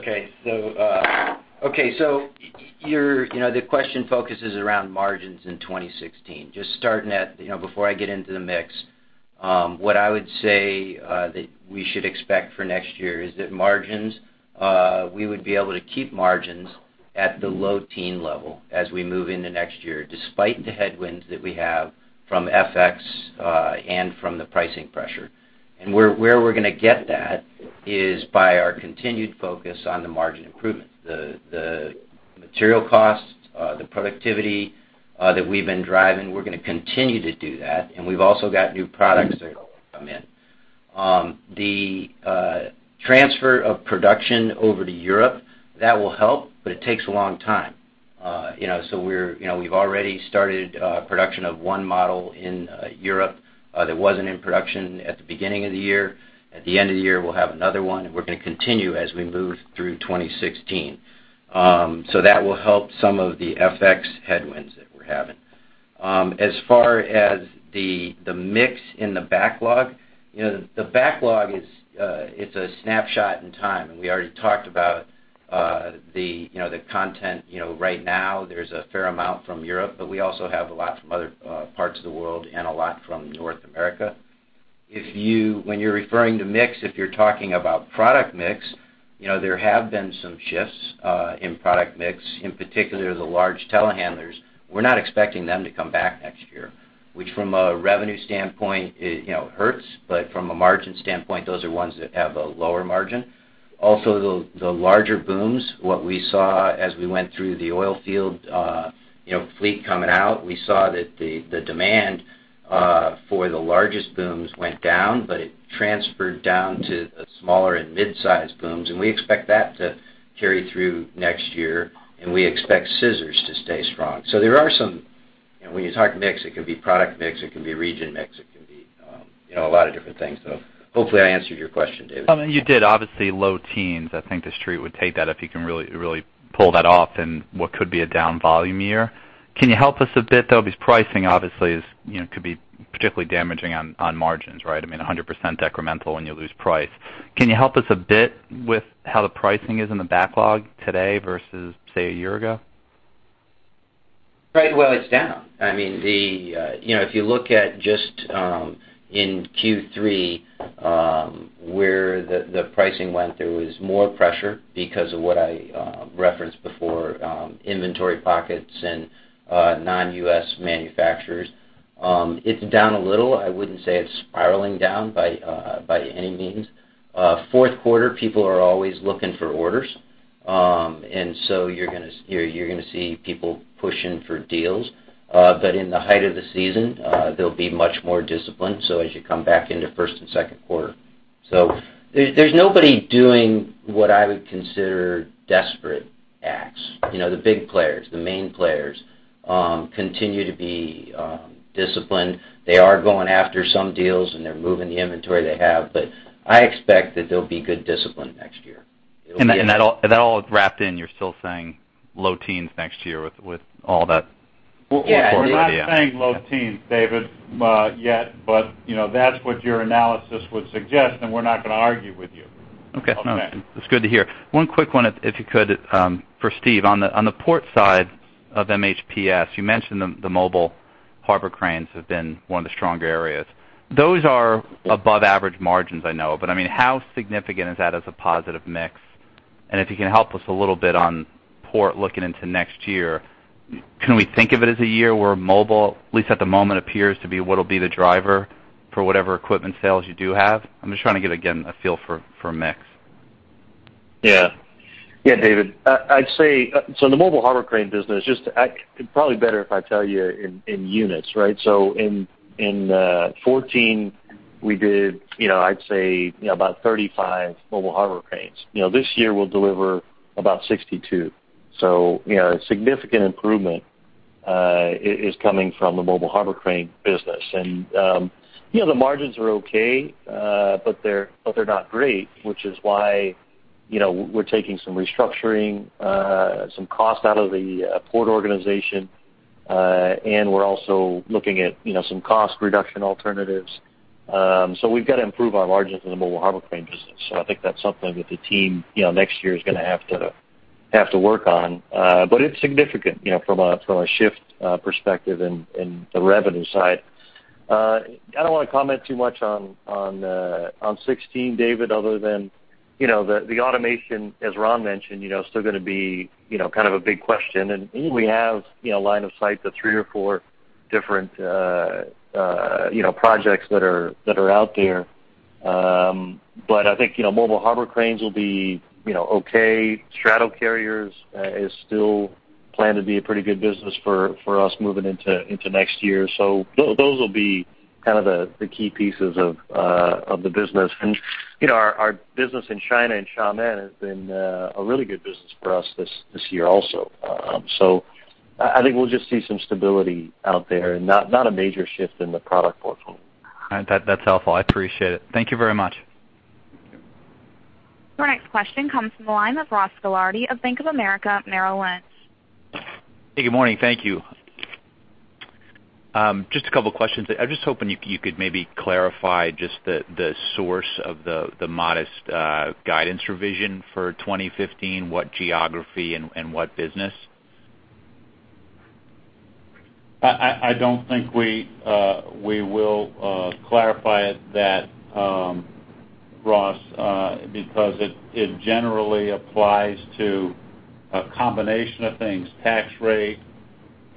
David. Okay. The question focuses around margins in 2016. Just starting at, before I get into the mix, what I would say that we should expect for next year is that margins, we would be able to keep margins at the low teen level as we move into next year, despite the headwinds that we have from FX and from the pricing pressure. Where we're going to get that is by our continued focus on the margin improvement. The material costs, the productivity that we've been driving, we're going to continue to do that. We've also got new products that will come in. The transfer of production over to Europe, that will help, but it takes a long time. We've already started production of one model in Europe that wasn't in production at the beginning of the year. At the end of the year, we'll have another one, and we're going to continue as we move through 2016. That will help some of the FX headwinds that we're having. As far as the mix in the backlog, the backlog is a snapshot in time, and we already talked about the content. Right now there's a fair amount from Europe, but we also have a lot from other parts of the world and a lot from North America. When you're referring to mix, if you're talking about product mix, there have been some shifts in product mix. In particular, the large telehandlers. We're not expecting them to come back next year, which from a revenue standpoint, it hurts. From a margin standpoint, those are ones that have a lower margin. Also, the larger booms, what we saw as we went through the oil field fleet coming out, we saw that the demand for the largest booms went down, but it transferred down to the smaller and mid-size booms, and we expect that to carry through next year. We expect scissors to stay strong. There are some, when you talk mix, it can be product mix, it can be region mix, it can be a lot of different things. Hopefully I answered your question, David. You did. Obviously, low teens. I think the Street would take that if you can really pull that off in what could be a down volume year. Can you help us a bit, though? Because pricing obviously could be particularly damaging on margins, right? 100% incremental when you lose price. Can you help us a bit with how the pricing is in the backlog today versus, say, a year ago? Right. Well, it's down. If you look at just in Q3, where the pricing went, there was more pressure because of what I referenced before, inventory pockets and non-U.S. manufacturers. It's down a little. I wouldn't say it's spiraling down by any means. Fourth quarter, people are always looking for orders. You're going to see people pushing for deals. In the height of the season, there'll be much more discipline, so as you come back into first and second quarter. There's nobody doing what I would consider desperate acts. The big players, the main players, continue to be disciplined. They are going after some deals, and they're moving the inventory they have, but I expect that there'll be good discipline next year. That all wrapped in, you're still saying low teens next year with all that? Yeah. We're not saying low teens, David, yet. That's what your analysis would suggest, and we're not going to argue with you. Okay. That's good to hear. One quick one, if you could, for Steve. On the port side of MHPS, you mentioned the mobile harbor cranes have been one of the stronger areas. Those are above average margins, I know. How significant is that as a positive mix? If you can help us a little bit on port looking into next year, can we think of it as a year where mobile, at least at the moment, appears to be what'll be the driver for whatever equipment sales you do have? I'm just trying to get, again, a feel for mix. Yeah, David. The mobile harbor crane business, it's probably better if I tell you in units, right? In 2014, we did, I'd say about 35 mobile harbor cranes. This year, we'll deliver about 62. A significant improvement is coming from the mobile harbor crane business. The margins are okay, but they're not great, which is why we're taking some restructuring, some cost out of the port organization. We're also looking at some cost reduction alternatives. We've got to improve our margins in the mobile harbor crane business. I think that's something that the team next year is going to have to work on. It's significant from a shift perspective in the revenue side. I don't want to comment too much on 2016, David, other than the automation, as Ron mentioned, still going to be a big question. We have line of sight to three or four different projects that are out there. I think mobile harbor cranes will be okay. Straddle carriers is still planned to be a pretty good business for us moving into next year. Those will be the key pieces of the business. Our business in China, in Xiamen, has been a really good business for us this year also. I think we'll just see some stability out there, and not a major shift in the product portfolio. That's helpful. I appreciate it. Thank you very much. Thank you. Your next question comes from the line of Ross Gilardi of Bank of America Merrill Lynch. Hey, good morning. Thank you. Just a couple questions. I was just hoping you could maybe clarify just the source of the modest guidance revision for 2015, what geography and what business. I don't think we will clarify that, Ross, because it generally applies to a combination of things, tax rate,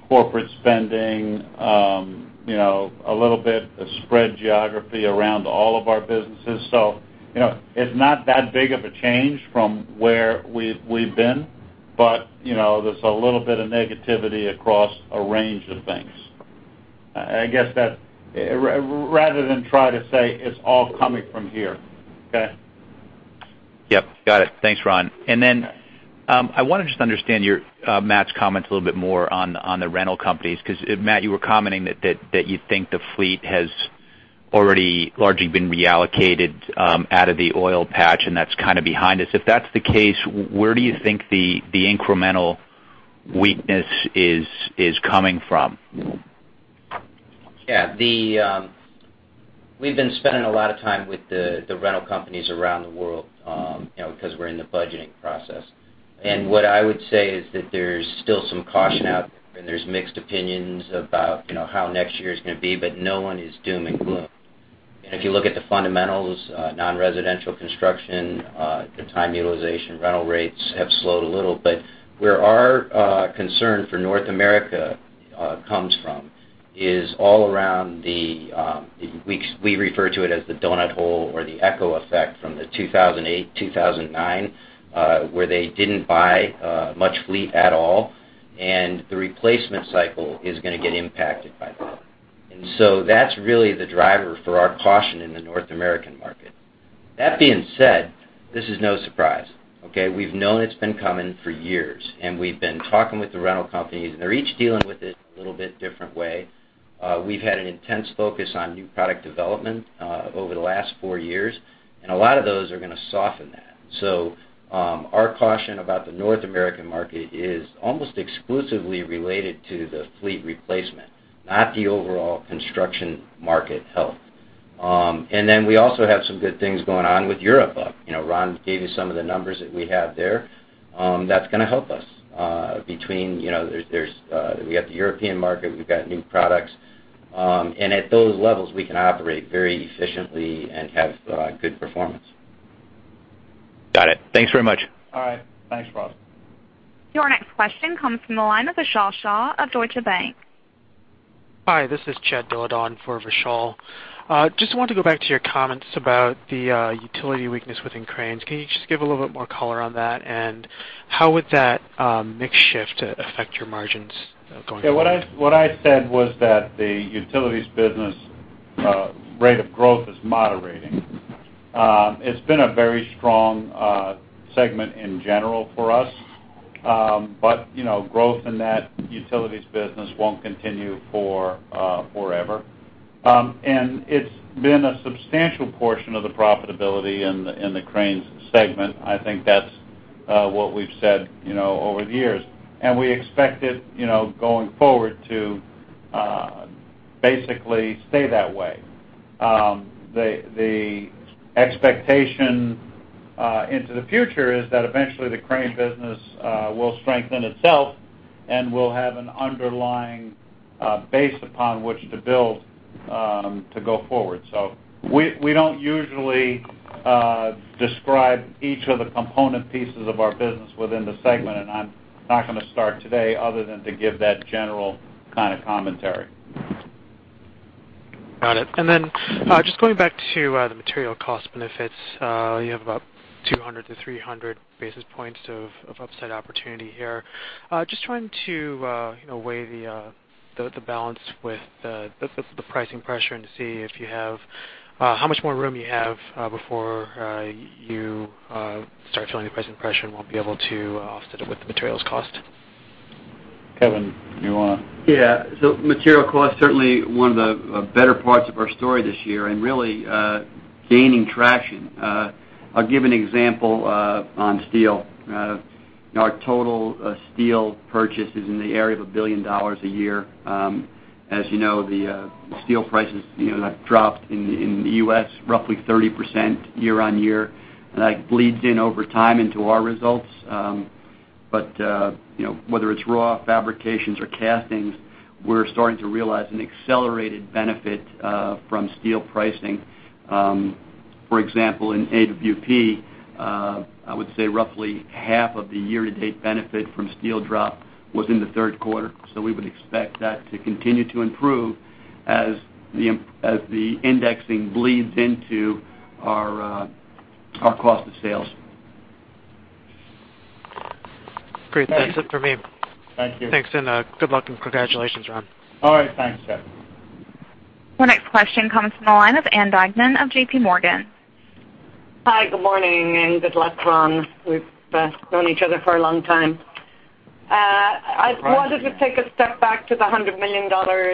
corporate spending, a little bit of spread geography around all of our businesses. It's not that big of a change from where we've been. There's a little bit of negativity across a range of things. I guess that rather than try to say it's all coming from here. Okay? Yep. Got it. Thanks, Ron. I want to just understand Matt's comments a little bit more on the rental companies, because Matt, you were commenting that you think the fleet has already largely been reallocated out of the oil patch, and that's behind us. If that's the case, where do you think the incremental weakness is coming from? Yeah. We've been spending a lot of time with the rental companies around the world, because we're in the budgeting process. What I would say is that there's still some caution out there, and there's mixed opinions about how next year is going to be, but no one is doom and gloom. If you look at the fundamentals, non-residential construction, the time utilization, rental rates have slowed a little, but where our concern for North America comes from is all around the, we refer to it as the donut hole or the echo effect from the 2008, 2009, where they didn't buy much fleet at all, and the replacement cycle is going to get impacted by that. That's really the driver for our caution in the North American market. That being said, this is no surprise, okay? We've known it's been coming for years, and we've been talking with the rental companies, and they're each dealing with it in a little bit different way. We've had an intense focus on new product development, over the last four years, and a lot of those are going to soften that. Our caution about the North American market is almost exclusively related to the fleet replacement, not the overall construction market health. We also have some good things going on with Europe. Ron gave you some of the numbers that we have there. That's going to help us. We got the European market, we've got new products. At those levels, we can operate very efficiently and have good performance. Got it. Thanks very much. All right. Thanks, Ross. Your next question comes from the line of Vishal Shah of Deutsche Bank. Hi, this is Chad Dillard for Vishal. Just wanted to go back to your comments about the utility weakness within cranes. Can you just give a little bit more color on that? How would that mix shift affect your margins going forward? Yeah, what I said was that the utilities business rate of growth is moderating. It's been a very strong segment in general for us. Growth in that utilities business won't continue forever. It's been a substantial portion of the profitability in the cranes segment. I think that's what we've said over the years. We expect it, going forward, to basically stay that way. The expectation into the future is that eventually the crane business will strengthen itself, and we'll have an underlying base upon which to build, to go forward. We don't usually describe each of the component pieces of our business within the segment, and I'm not going to start today other than to give that general kind of commentary. Got it. Just going back to the material cost benefits, you have about 200 to 300 basis points of upside opportunity here. Just trying to weigh the balance with the pricing pressure and to see how much more room you have before you start feeling the pricing pressure and won't be able to offset it with the materials cost. Kevin, you want to? Yeah. Material cost, certainly one of the better parts of our story this year and really gaining traction. I'll give an example on steel. Our total steel purchase is in the area of $1 billion a year. As you know, the steel prices have dropped in the U.S. roughly 30% year-over-year. That bleeds in over time into our results. Whether it's raw fabrications or castings, we're starting to realize an accelerated benefit from steel pricing. For example, in AWP, I would say roughly half of the year-to-date benefit from steel drop was in the third quarter. We would expect that to continue to improve as the indexing bleeds into our cost of sales. Great. That's it for me. Thank you. Thanks, good luck and congratulations, Ron. All right. Thanks, Chad. The next question comes from the line of Ann Duignan of J.P. Morgan. Hi, good morning, good luck, Ron. We've known each other for a long time. Right. I wanted to take a step back to the $100 million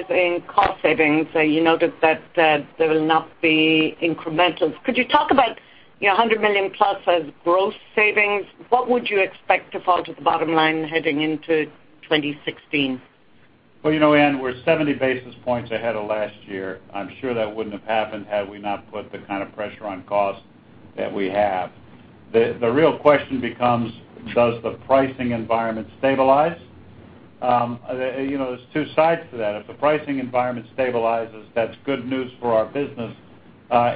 in cost savings. You noted that there will not be incrementals. Could you talk about $100 million plus as gross savings? What would you expect to fall to the bottom line heading into 2016? Well, Ann, we're 70 basis points ahead of last year. I'm sure that wouldn't have happened had we not put the kind of pressure on cost that we have. The real question becomes, does the pricing environment stabilize? There's two sides to that. If the pricing environment stabilizes, that's good news for our business,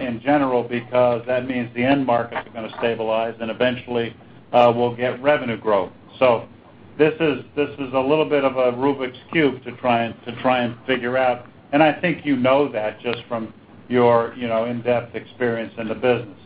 in general, because that means the end markets are going to stabilize and eventually, we'll get revenue growth. This is a little bit of a Rubik's Cube to try and figure out. I think you know that just from your in-depth experience in the business.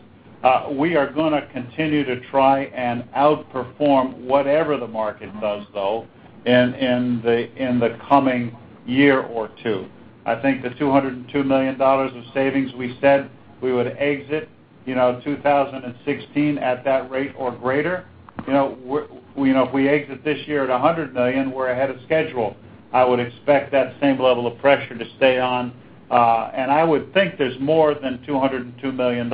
We are going to continue to try and outperform whatever the market does, though, in the coming year or two. I think the $202 million of savings we said we would exit 2016 at that rate or greater. If we exit this year at $100 million, we're ahead of schedule. I would expect that same level of pressure to stay on. I would think there's more than $202 million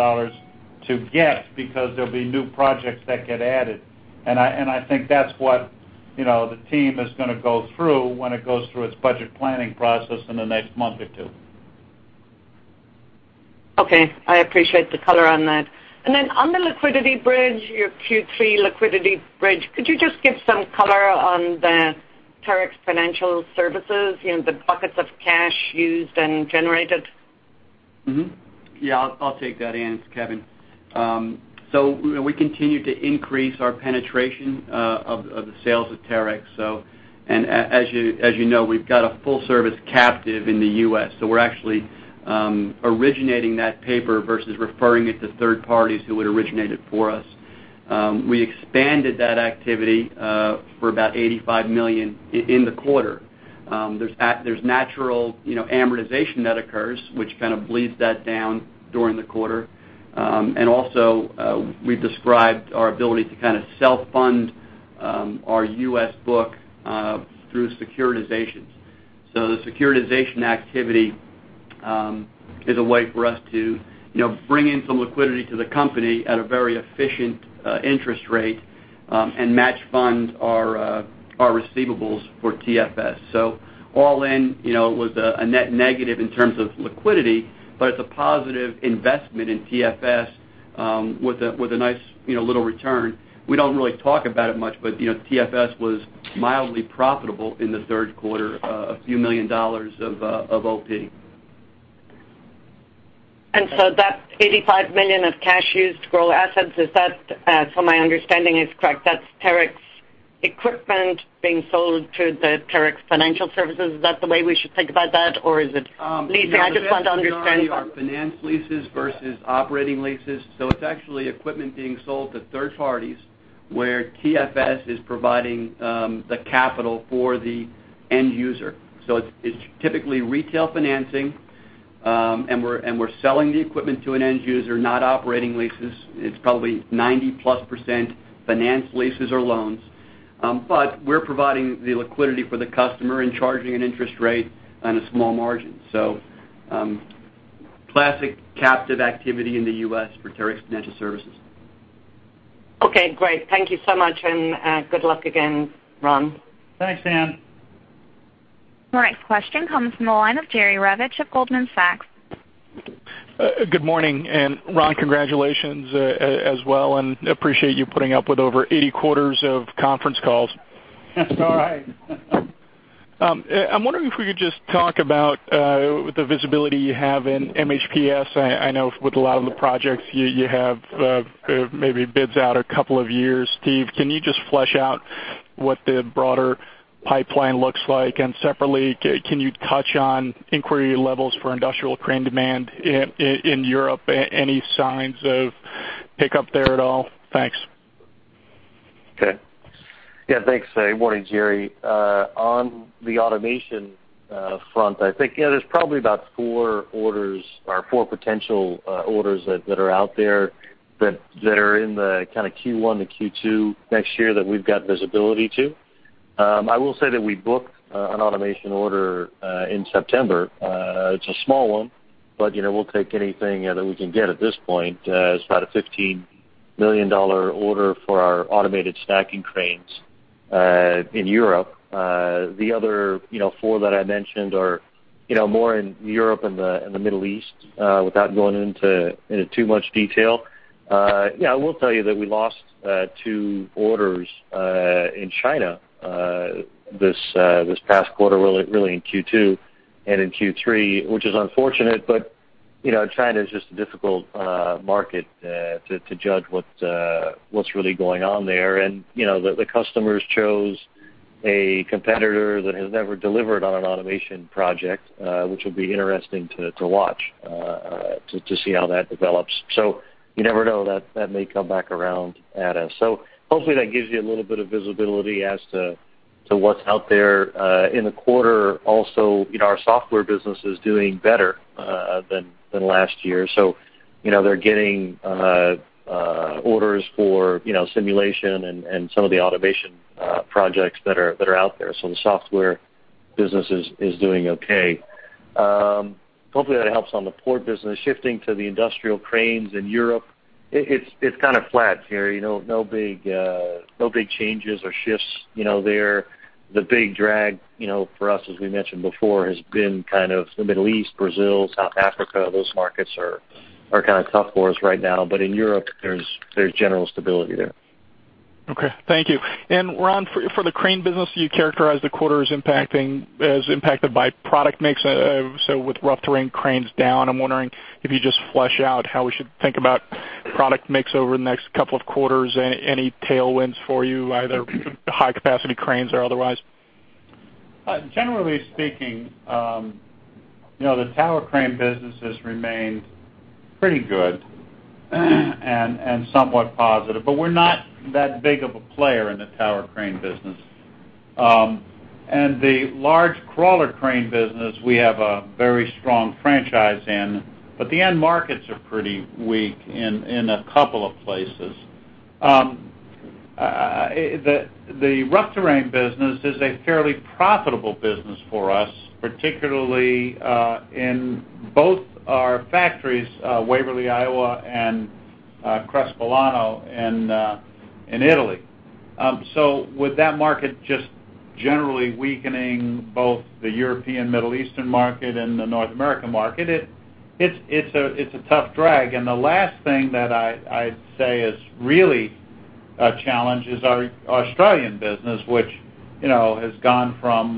to get because there'll be new projects that get added. I think that's what the team is going to go through when it goes through its budget planning process in the next month or two. Okay. I appreciate the color on that. On the liquidity bridge, your Q3 liquidity bridge, could you just give some color on the Terex Financial Services, the buckets of cash used and generated? Yeah, I'll take that, Ann. It's Kevin. We continue to increase our penetration of the sales of Terex. As you know, we've got a full-service captive in the U.S., so we're actually originating that paper versus referring it to third parties who would originate it for us. We expanded that activity for about $85 million in the quarter. There's natural amortization that occurs, which kind of bleeds that down during the quarter. Also, we've described our ability to kind of self-fund our U.S. book through securitizations. The securitization activity is a way for us to bring in some liquidity to the company at a very efficient interest rate, and match funds our receivables for TFS. All in, it was a net negative in terms of liquidity, but it's a positive investment in TFS with a nice little return. We don't really talk about it much, but TFS was mildly profitable in the third quarter, a few million dollars of OP. That $85 million of cash used to grow assets, if my understanding is correct, that's Terex equipment being sold to the Terex Financial Services. Is that the way we should think about that? Or is it leasing? I just want to understand. The difference is finance leases versus operating leases. It's actually equipment being sold to third parties where TFS is providing the capital for the end user. It's typically retail financing, and we're selling the equipment to an end user, not operating leases. It's probably 90-plus% finance leases or loans. We're providing the liquidity for the customer and charging an interest rate and a small margin. Classic captive activity in the U.S. for Terex Financial Services. Okay, great. Thank you so much, and good luck again, Ron. Thanks, Ann. Our next question comes from the line of Jerry Revich of Goldman Sachs. Good morning. Ron, congratulations as well. Appreciate you putting up with over 80 quarters of conference calls. It's all right. I'm wondering if we could just talk about the visibility you have in MHPS. I know with a lot of the projects you have maybe bids out a couple of years. Steve, can you just flesh out what the broader pipeline looks like? Separately, can you touch on inquiry levels for industrial crane demand in Europe? Any signs of pickup there at all? Thanks. Okay. Thanks. Good morning, Jerry. On the automation front, there's probably about four orders or four potential orders that are out there that are in the kind of Q1 to Q2 next year that we've got visibility to. I will say that we booked an automation order in September. It's a small one, but we'll take anything that we can get at this point. It's about a $15 million order for our automated stacking cranes in Europe. The other four that I mentioned are more in Europe and the Middle East, without going into too much detail. I will tell you that we lost two orders in China this past quarter, really in Q2 and in Q3, which is unfortunate, but China is just a difficult market to judge what's really going on there. The customers chose a competitor that has never delivered on an automation project which will be interesting to watch to see how that develops. You never know, that may come back around at us. Hopefully, that gives you a little bit of visibility as to what's out there in the quarter. Also, our software business is doing better than last year, so they're getting orders for simulation and some of the automation projects that are out there. The software business is doing okay. Hopefully, that helps on the port business. Shifting to the industrial cranes in Europe, it's kind of flat, Jerry. No big changes or shifts there. The big drag for us, as we mentioned before, has been kind of the Middle East, Brazil, South Africa. Those markets are kind of tough for us right now. In Europe, there's general stability there. Okay. Thank you. Ron, for the crane business, you characterized the quarter as impacted by product mix. With rough terrain cranes down, I'm wondering if you just flesh out how we should think about product mix over the next couple of quarters. Any tailwinds for you, either high-capacity cranes or otherwise? Generally speaking, the tower crane business has remained pretty good and somewhat positive, but we're not that big of a player in the tower crane business. The large crawler crane business, we have a very strong franchise in, but the end markets are pretty weak in a couple of places. The rough terrain business is a fairly profitable business for us, particularly in both our factories, Waverly, Iowa, and Crespellano in Italy. With that market just generally weakening both the European Middle Eastern market and the North American market, it's a tough drag. The last thing that I'd say is really a challenge is our Australian business, which has gone from,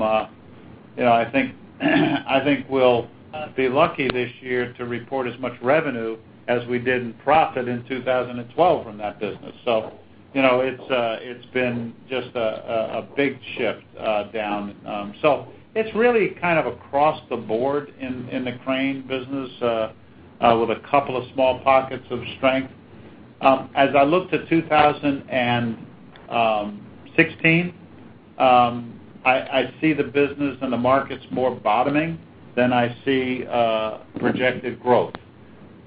we'll be lucky this year to report as much revenue as we did in profit in 2012 from that business. It's been just a big shift down. It's really kind of across the board in the crane business, with a couple of small pockets of strength. As I look to 2016, I see the business and the markets more bottoming than I see projected growth.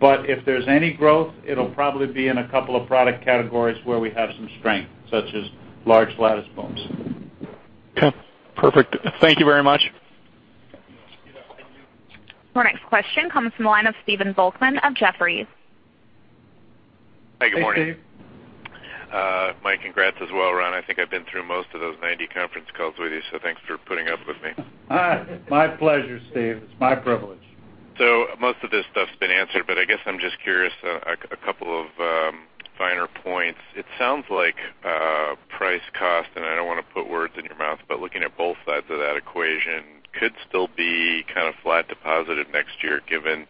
If there's any growth, it'll probably be in a couple of product categories where we have some strength, such as large lattice booms. Okay, perfect. Thank you very much. Our next question comes from the line of Stephen Volkmann of Jefferies. Hi, good morning. Hey, Steve. [Might], congrats as well, Ron. I think I've been through most of those 90 conference calls with you, so thanks for putting up with me. My pleasure, Steve. It's my privilege. Most of this stuff's been answered, but I guess I'm just curious, a couple of finer points. It sounds like price cost, and I don't want to put words in your mouth, but looking at both sides of that equation could still be kind of flat to positive next year given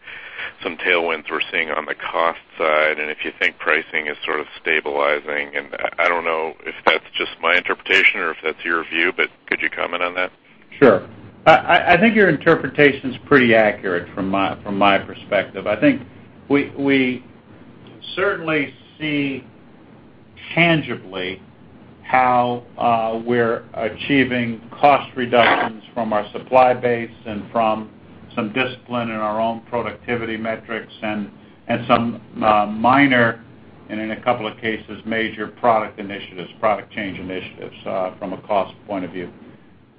some tailwinds we're seeing on the cost side, and if you think pricing is sort of stabilizing, and I don't know if that's just my interpretation or if that's your view, but could you comment on that? Sure. I think your interpretation's pretty accurate from my perspective. I think we certainly see tangibly how we're achieving cost reductions from our supply base and from some discipline in our own productivity metrics and some minor, and in a couple of cases, major product initiatives, product change initiatives, from a cost point of view.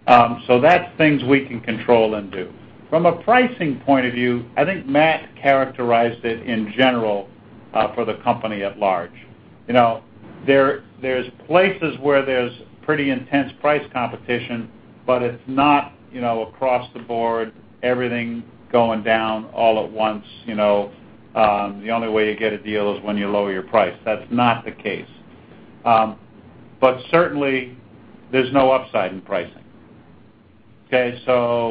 That's things we can control and do. From a pricing point of view, I think Matt characterized it in general for the company at large. There's places where there's pretty intense price competition, but it's not across the board, everything going down all at once. The only way you get a deal is when you lower your price. That's not the case. Certainly, there's no upside in pricing. Okay.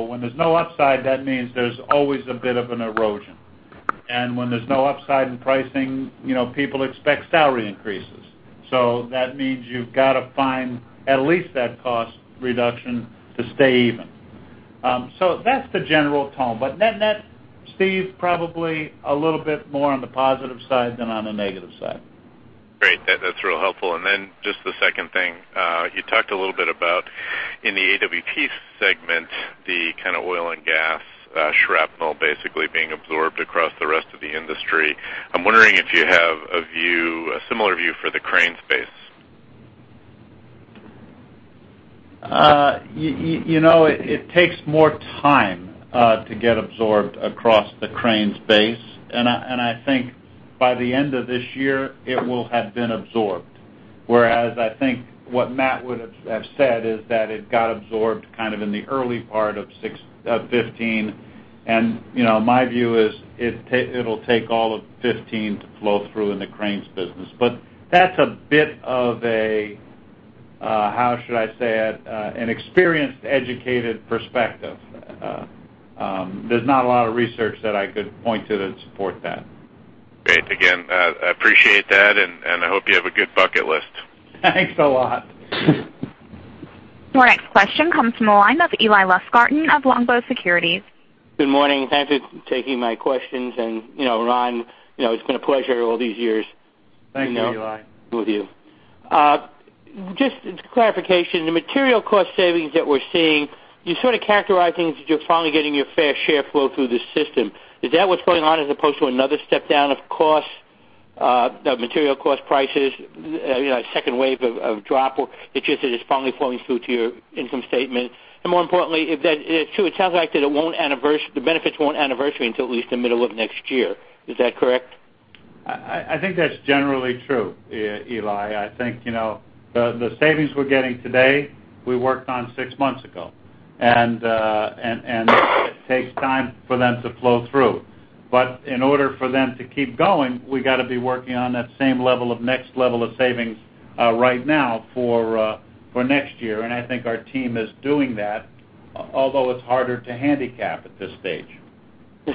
When there's no upside, that means there's always a bit of an erosion. When there's no upside in pricing, people expect salary increases. That means you've got to find at least that cost reduction to stay even. That's the general tone, but net, Steve, probably a little bit more on the positive side than on the negative side. Great. That's real helpful. Just the second thing, you talked a little bit about in the AWP segment, the kind of oil and gas shrapnel basically being absorbed across the rest of the industry. I'm wondering if you have a similar view for the crane space. It takes more time, to get absorbed across the crane space. I think by the end of this year, it will have been absorbed. Whereas I think what Matt would have said is that it got absorbed kind of in the early part of 2015, and my view is it'll take all of 2015 to flow through in the cranes business. That's a bit of a, how should I say it? An experienced, educated perspective. There's not a lot of research that I could point to that support that. Great. I appreciate that, I hope you have a good bucket list. Thanks a lot. Our next question comes from the line of Eli Lustgarten of Longbow Research. Good morning. Thanks for taking my questions. Ron, it has been a pleasure all these years. Thank you, Eli. With you. Just clarification, the material cost savings that we're seeing, you sort of characterizing that you're finally getting your fair share flow through the system. Is that what's going on as opposed to another step down of cost, of material cost prices, a second wave of drop, or it's just that it's finally flowing through to your income statement? More importantly, if that is true, it sounds like the benefits won't anniversary until at least the middle of next year. Is that correct? I think that's generally true, Eli. I think, the savings we're getting today, we worked on six months ago. It takes time for them to flow through. In order for them to keep going, we got to be working on that same level of next level of savings right now for next year, and I think our team is doing that, although it's harder to handicap at this stage. The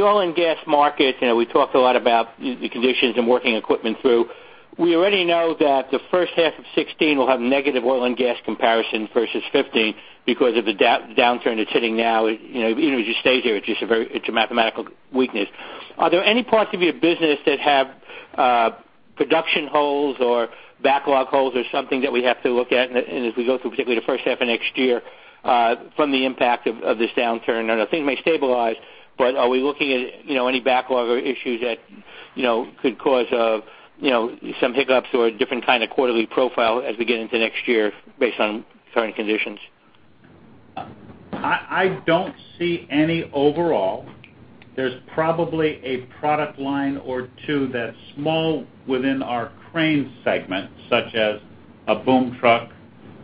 oil and gas market, we talked a lot about the conditions and working equipment through. We already know that the first half of 2016 will have negative oil and gas comparison versus 2015 because of the downturn that's hitting now. Even if it just stays there, it's a mathematical weakness. Are there any parts of your business that have production holes or backlog holes or something that we have to look at and as we go through, particularly the first half of next year, from the impact of this downturn? I think it may stabilize, but are we looking at any backlog or issues that could cause some hiccups or a different kind of quarterly profile as we get into next year based on current conditions? I don't see any overall. There's probably a product line or two that's small within our crane segment, such as a boom truck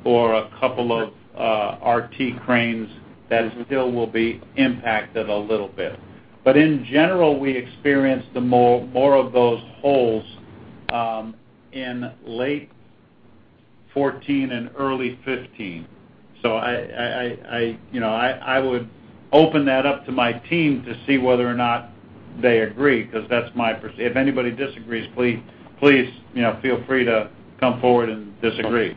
or a couple of RT cranes that still will be impacted a little bit. In general, we experienced more of those holes in late 2014 and early 2015. I would open that up to my team to see whether or not they agree, because that's my perception. If anybody disagrees, please feel free to come forward and disagree.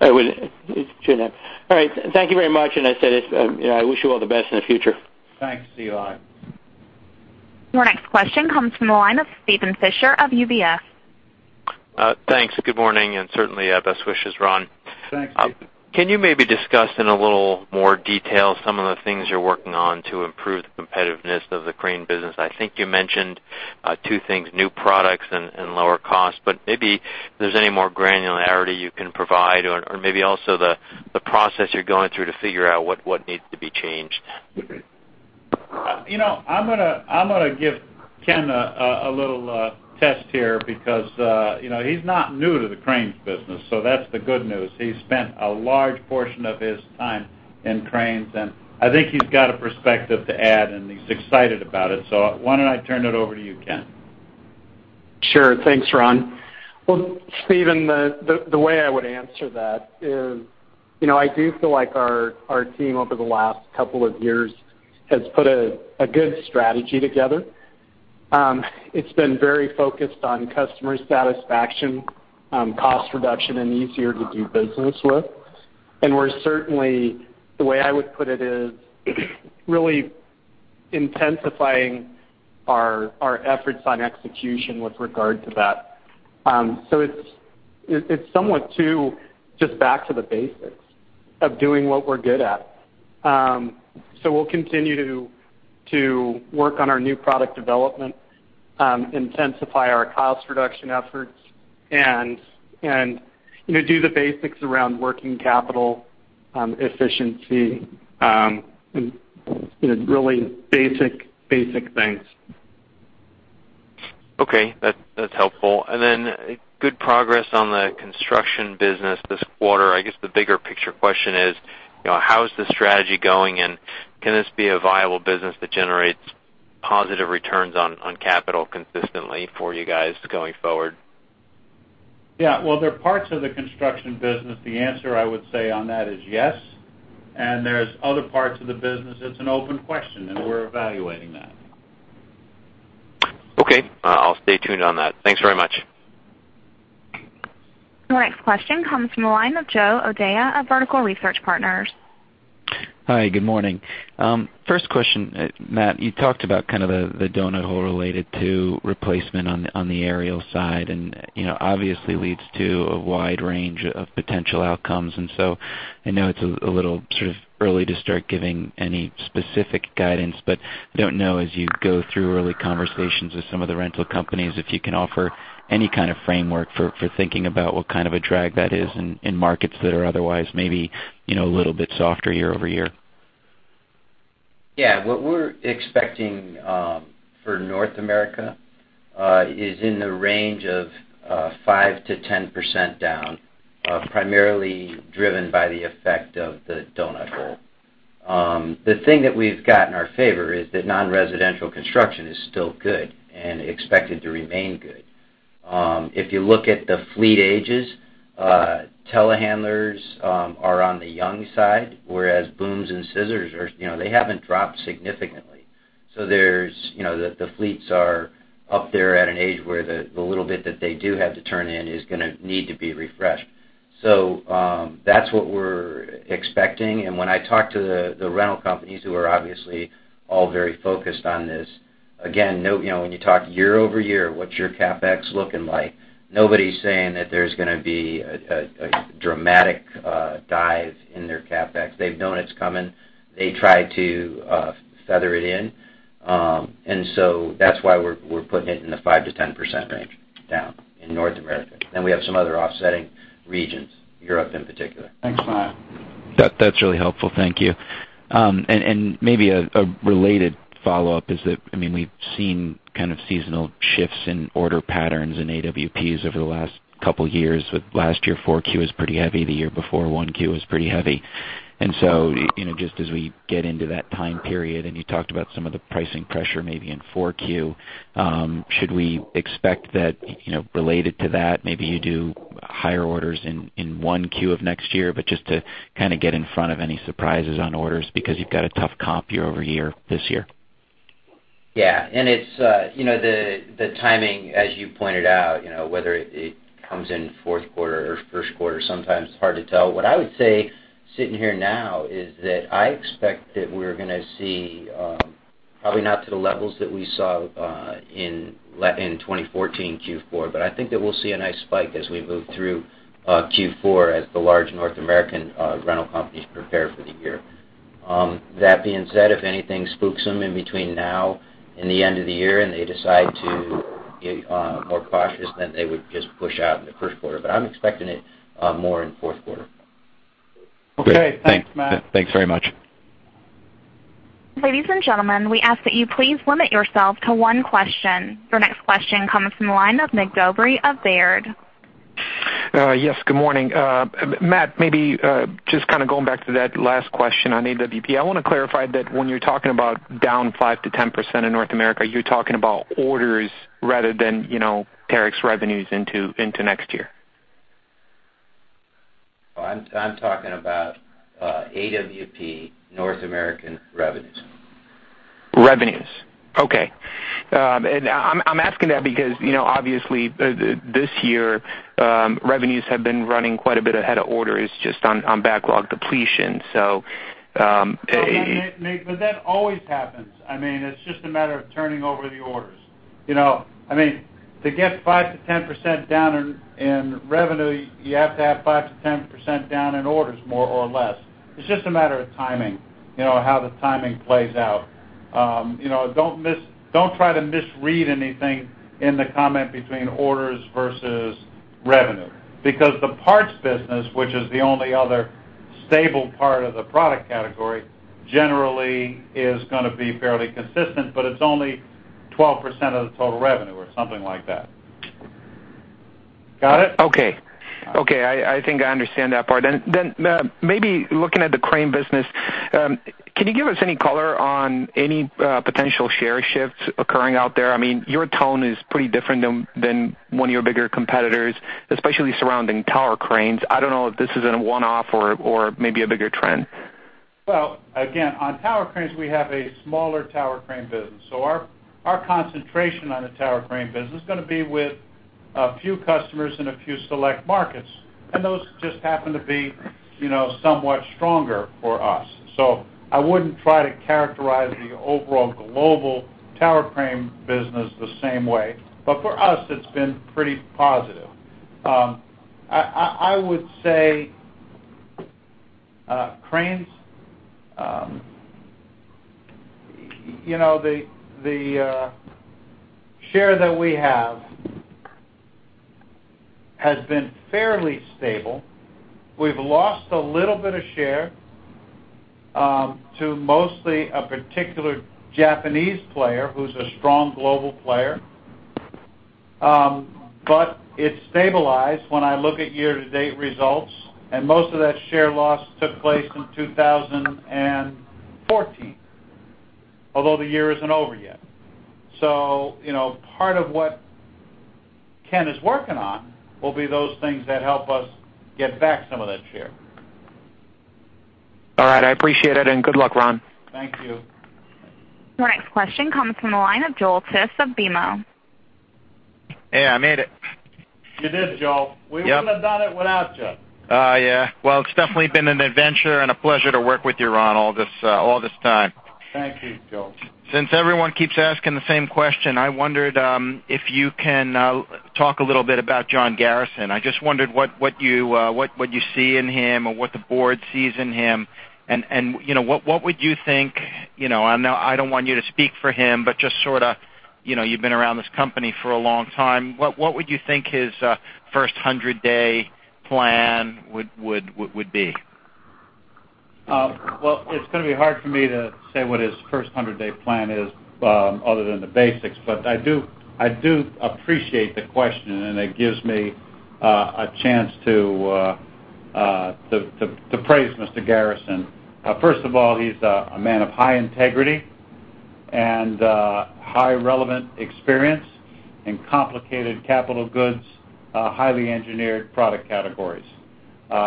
I wouldn't. It's tuned out. All right. Thank you very much. I said, I wish you all the best in the future. Thanks, Eli. Your next question comes from the line of Steven Fisher of UBS. Thanks. Good morning, and certainly, best wishes, Ron. Thanks, Steven. Can you maybe discuss in a little more detail some of the things you're working on to improve the competitiveness of the crane business? I think you mentioned two things, new products and lower costs, but maybe there's any more granularity you can provide or maybe also the process you're going through to figure out what needs to be changed. I'm going to give Ken a little test here because he's not new to the cranes business, so that's the good news. He spent a large portion of his time in cranes, and I think he's got a perspective to add, and he's excited about it. Why don't I turn it over to you, Ken? Sure. Thanks, Ron. Well, Steven, the way I would answer that is, I do feel like our team over the last couple of years has put a good strategy together. It's been very focused on customer satisfaction, cost reduction, and easier to do business with. We're certainly, the way I would put it is, really intensifying our efforts on execution with regard to that. It's somewhat too, just back to the basics of doing what we're good at. We'll continue to work on our new product development, intensify our cost reduction efforts, and do the basics around working capital, efficiency, and really basic things. Okay. That's helpful. Good progress on the construction business this quarter. I guess the bigger picture question is, how is this strategy going? Can this be a viable business that generates positive returns on capital consistently for you guys going forward? Yeah. Well, there are parts of the construction business, the answer I would say on that is yes. There's other parts of the business, it's an open question, and we're evaluating that. Okay. I'll stay tuned on that. Thanks very much. The next question comes from the line of Joe O'Dea of Vertical Research Partners. Hi, good morning. First question, Matt, you talked about kind of the doughnut hole related to replacement on the aerial side, obviously leads to a wide range of potential outcomes. I know it's a little sort of early to start giving any specific guidance, but I don't know as you go through early conversations with some of the rental companies, if you can offer any kind of framework for thinking about what kind of a drag that is in markets that are otherwise maybe a little bit softer year-over-year. Yeah. What we're expecting for North America is in the range of 5%-10% down, primarily driven by the effect of the doughnut hole. The thing that we've got in our favor is that non-residential construction is still good and expected to remain good. If you look at the fleet ages, telehandlers are on the young side, whereas booms and scissors haven't dropped significantly. The fleets are up there at an age where the little bit that they do have to turn in is going to need to be refreshed. When I talk to the rental companies who are obviously all very focused on this, again, when you talk year-over-year, what's your CapEx looking like? Nobody's saying that there's going to be a dramatic dive in their CapEx. They've known it's coming. They try to feather it in. That's why we're putting it in the 5%-10% range down in North America. We have some other offsetting regions, Europe in particular. Thanks, Matt. Maybe a related follow-up is that, we've seen kind of seasonal shifts in order patterns in AWPs over the last couple of years, with last year 4Q was pretty heavy. The year before 1Q was pretty heavy. Just as we get into that time period, and you talked about some of the pricing pressure maybe in 4Q, should we expect that, related to that, maybe you do higher orders in 1Q of next year? Just to kind of get in front of any surprises on orders because you've got a tough comp year-over-year this year. Yeah. The timing, as you pointed out, whether it comes in fourth quarter or first quarter, sometimes it's hard to tell. What I would say sitting here now is that I expect that we're going to see, probably not to the levels that we saw in 2014 Q4, but I think that we'll see a nice spike as we move through Q4 as the large North American rental companies prepare for the year. That being said, if anything spooks them in between now and the end of the year and they decide to get more cautious, then they would just push out in the first quarter. I'm expecting it more in fourth quarter. Okay. Thanks, Matt. Thanks very much. Ladies and gentlemen, we ask that you please limit yourself to one question. Your next question comes from the line of Mig Dobre of Baird. Yes, good morning. Matt, maybe just kind of going back to that last question on AWP. I want to clarify that when you're talking about down 5%-10% in North America, you're talking about orders rather than Terex revenues into next year. I'm talking about AWP North American revenues. Revenues. Okay. I'm asking that because, obviously, this year, revenues have been running quite a bit ahead of orders just on backlog depletion. That always happens. It's just a matter of turning over the orders. To get 5%-10% down in revenue, you have to have 5%-10% down in orders, more or less. It's just a matter of timing, how the timing plays out. Don't try to misread anything in the comment between orders versus revenue, because the parts business, which is the only other stable part of the product category, generally is going to be fairly consistent, but it's only 12% of the total revenue or something like that. Got it? Okay. I think I understand that part. Maybe looking at the crane business, can you give us any color on any potential share shifts occurring out there? Your tone is pretty different than one of your bigger competitors, especially surrounding tower cranes. I don't know if this is in a one-off or maybe a bigger trend. Well, again, on tower cranes, we have a smaller tower crane business. Our concentration on the tower crane business is going to be with a few customers in a few select markets, and those just happen to be somewhat stronger for us. I wouldn't try to characterize the overall global tower crane business the same way. For us, it's been pretty positive. I would say cranes, the share that we have has been fairly stable. We've lost a little bit of share to mostly a particular Japanese player who's a strong global player. It's stabilized when I look at year-to-date results, and most of that share loss took place in 2014, although the year isn't over yet. Part of what Ken is working on will be those things that help us get back some of that share. All right. I appreciate it, and good luck, Ron. Thank you. Your next question comes from the line of Joel Tiss of BMO. Hey, I made it. You did, Joel. Yep. We wouldn't have done it without you. Yeah. Well, it's definitely been an adventure and a pleasure to work with you, Ron, all this time. Thank you, Joel. Since everyone keeps asking the same question, I wondered if you can talk a little bit about John Garrison. I just wondered what you see in him or what the board sees in him, and what would you think, I don't want you to speak for him, but just sort of, you've been around this company for a long time, what would you think his first 100-day plan would be? Well, it's going to be hard for me to say what his first 100-day plan is other than the basics, but I do appreciate the question, and it gives me a chance to praise Mr. Garrison. First of all, he's a man of high integrity and high relevant experience in complicated capital goods, highly engineered product categories.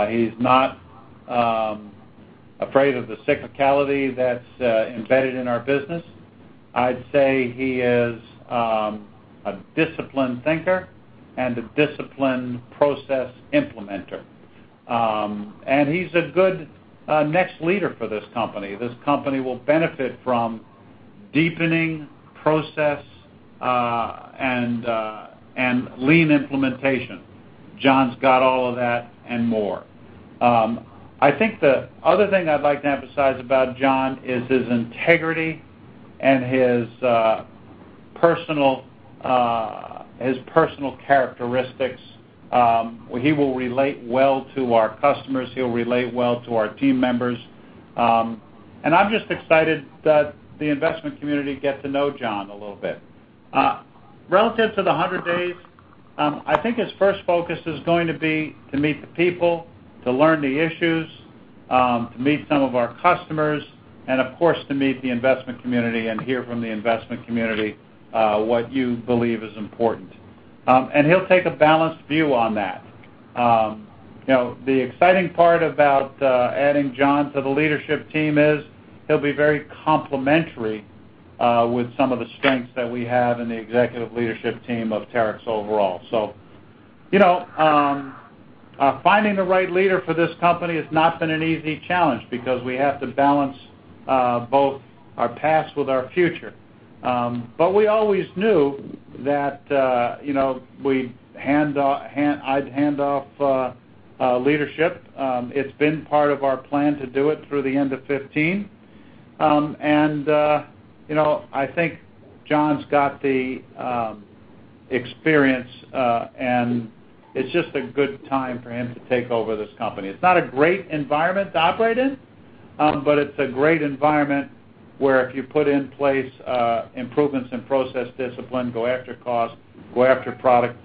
He's not afraid of the cyclicality that's embedded in our business. I'd say he is a disciplined thinker and a disciplined process implementer. He's a good next leader for this company. This company will benefit from deepening process and lean implementation. John's got all of that and more. I think the other thing I'd like to emphasize about John is his integrity and his personal characteristics. He will relate well to our customers, he'll relate well to our team members. I'm just excited that the investment community get to know John a little bit. Relative to the 100 days, I think his first focus is going to be to meet the people, to learn the issues, to meet some of our customers, and of course, to meet the investment community and hear from the investment community, what you believe is important. He'll take a balanced view on that. The exciting part about adding John to the leadership team is he'll be very complementary with some of the strengths that we have in the executive leadership team of Terex overall. Finding the right leader for this company has not been an easy challenge because we have to balance both our past with our future. We always knew that I'd hand off leadership. It's been part of our plan to do it through the end of 2015. I think John's got the experience, and it's just a good time for him to take over this company. It's not a great environment to operate in, but it's a great environment where if you put in place improvements in process discipline, go after cost, go after product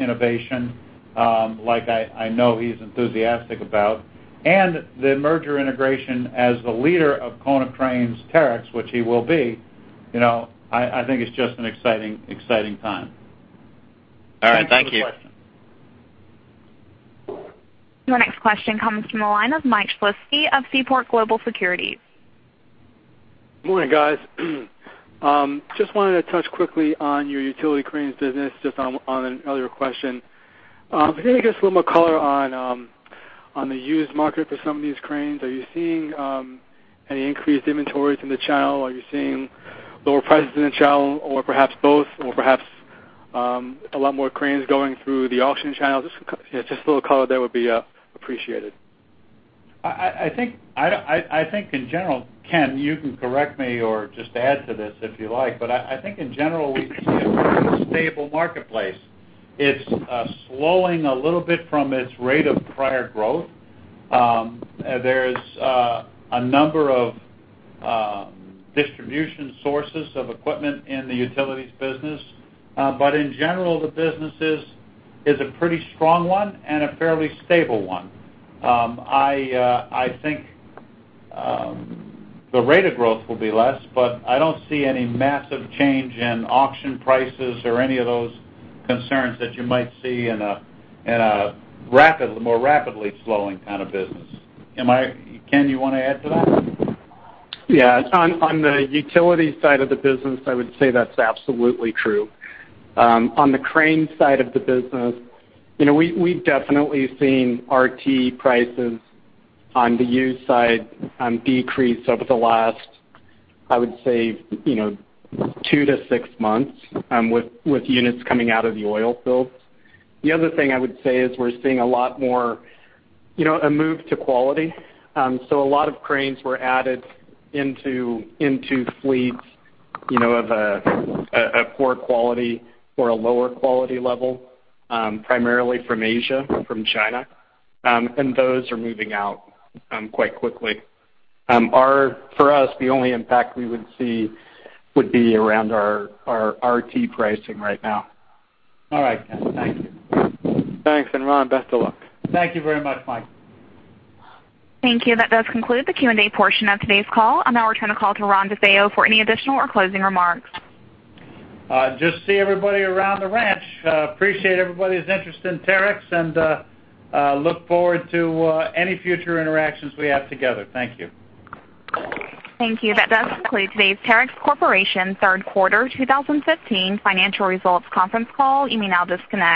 innovation, like I know he's enthusiastic about, and the merger integration as the leader of Konecranes Terex, which he will be. I think it's just an exciting time. All right. Thank you. Thanks for the question. Your next question comes from the line of Mike Shlisky of Seaport Global Securities. Morning, guys. Just wanted to touch quickly on your utility cranes business, just on an earlier question. If you could give us a little more color on the used market for some of these cranes. Are you seeing any increased inventories in the channel? Are you seeing lower prices in the channel or perhaps both? Perhaps a lot more cranes going through the auction channels? Just a little color there would be appreciated. I think, in general, Ken, you can correct me or just add to this if you like, but I think in general, we see a very stable marketplace. It's slowing a little bit from its rate of prior growth. There's a number of distribution sources of equipment in the utilities business. In general, the business is a pretty strong one and a fairly stable one. I think the rate of growth will be less, but I don't see any massive change in auction prices or any of those concerns that you might see in a more rapidly slowing kind of business. Ken, you want to add to that? Yeah. On the utility side of the business, I would say that's absolutely true. On the crane side of the business, we've definitely seen RT prices on the used side decrease over the last, I would say, two to six months with units coming out of the oil fields. The other thing I would say is we're seeing a lot more, a move to quality. A lot of cranes were added into fleets of a poor quality or a lower quality level, primarily from Asia, from China, and those are moving out quite quickly. For us, the only impact we would see would be around our RT pricing right now. All right, Ken. Thank you. Thanks, and Ron, best of luck. Thank you very much, Mike. Thank you. That does conclude the Q&A portion of today's call. I'll now return the call to Ron DeFeo for any additional or closing remarks. Just see everybody around the ranch. Appreciate everybody's interest in Terex and look forward to any future interactions we have together. Thank you. Thank you. That does conclude today's Terex Corporation third quarter 2015 financial results conference call. You may now disconnect.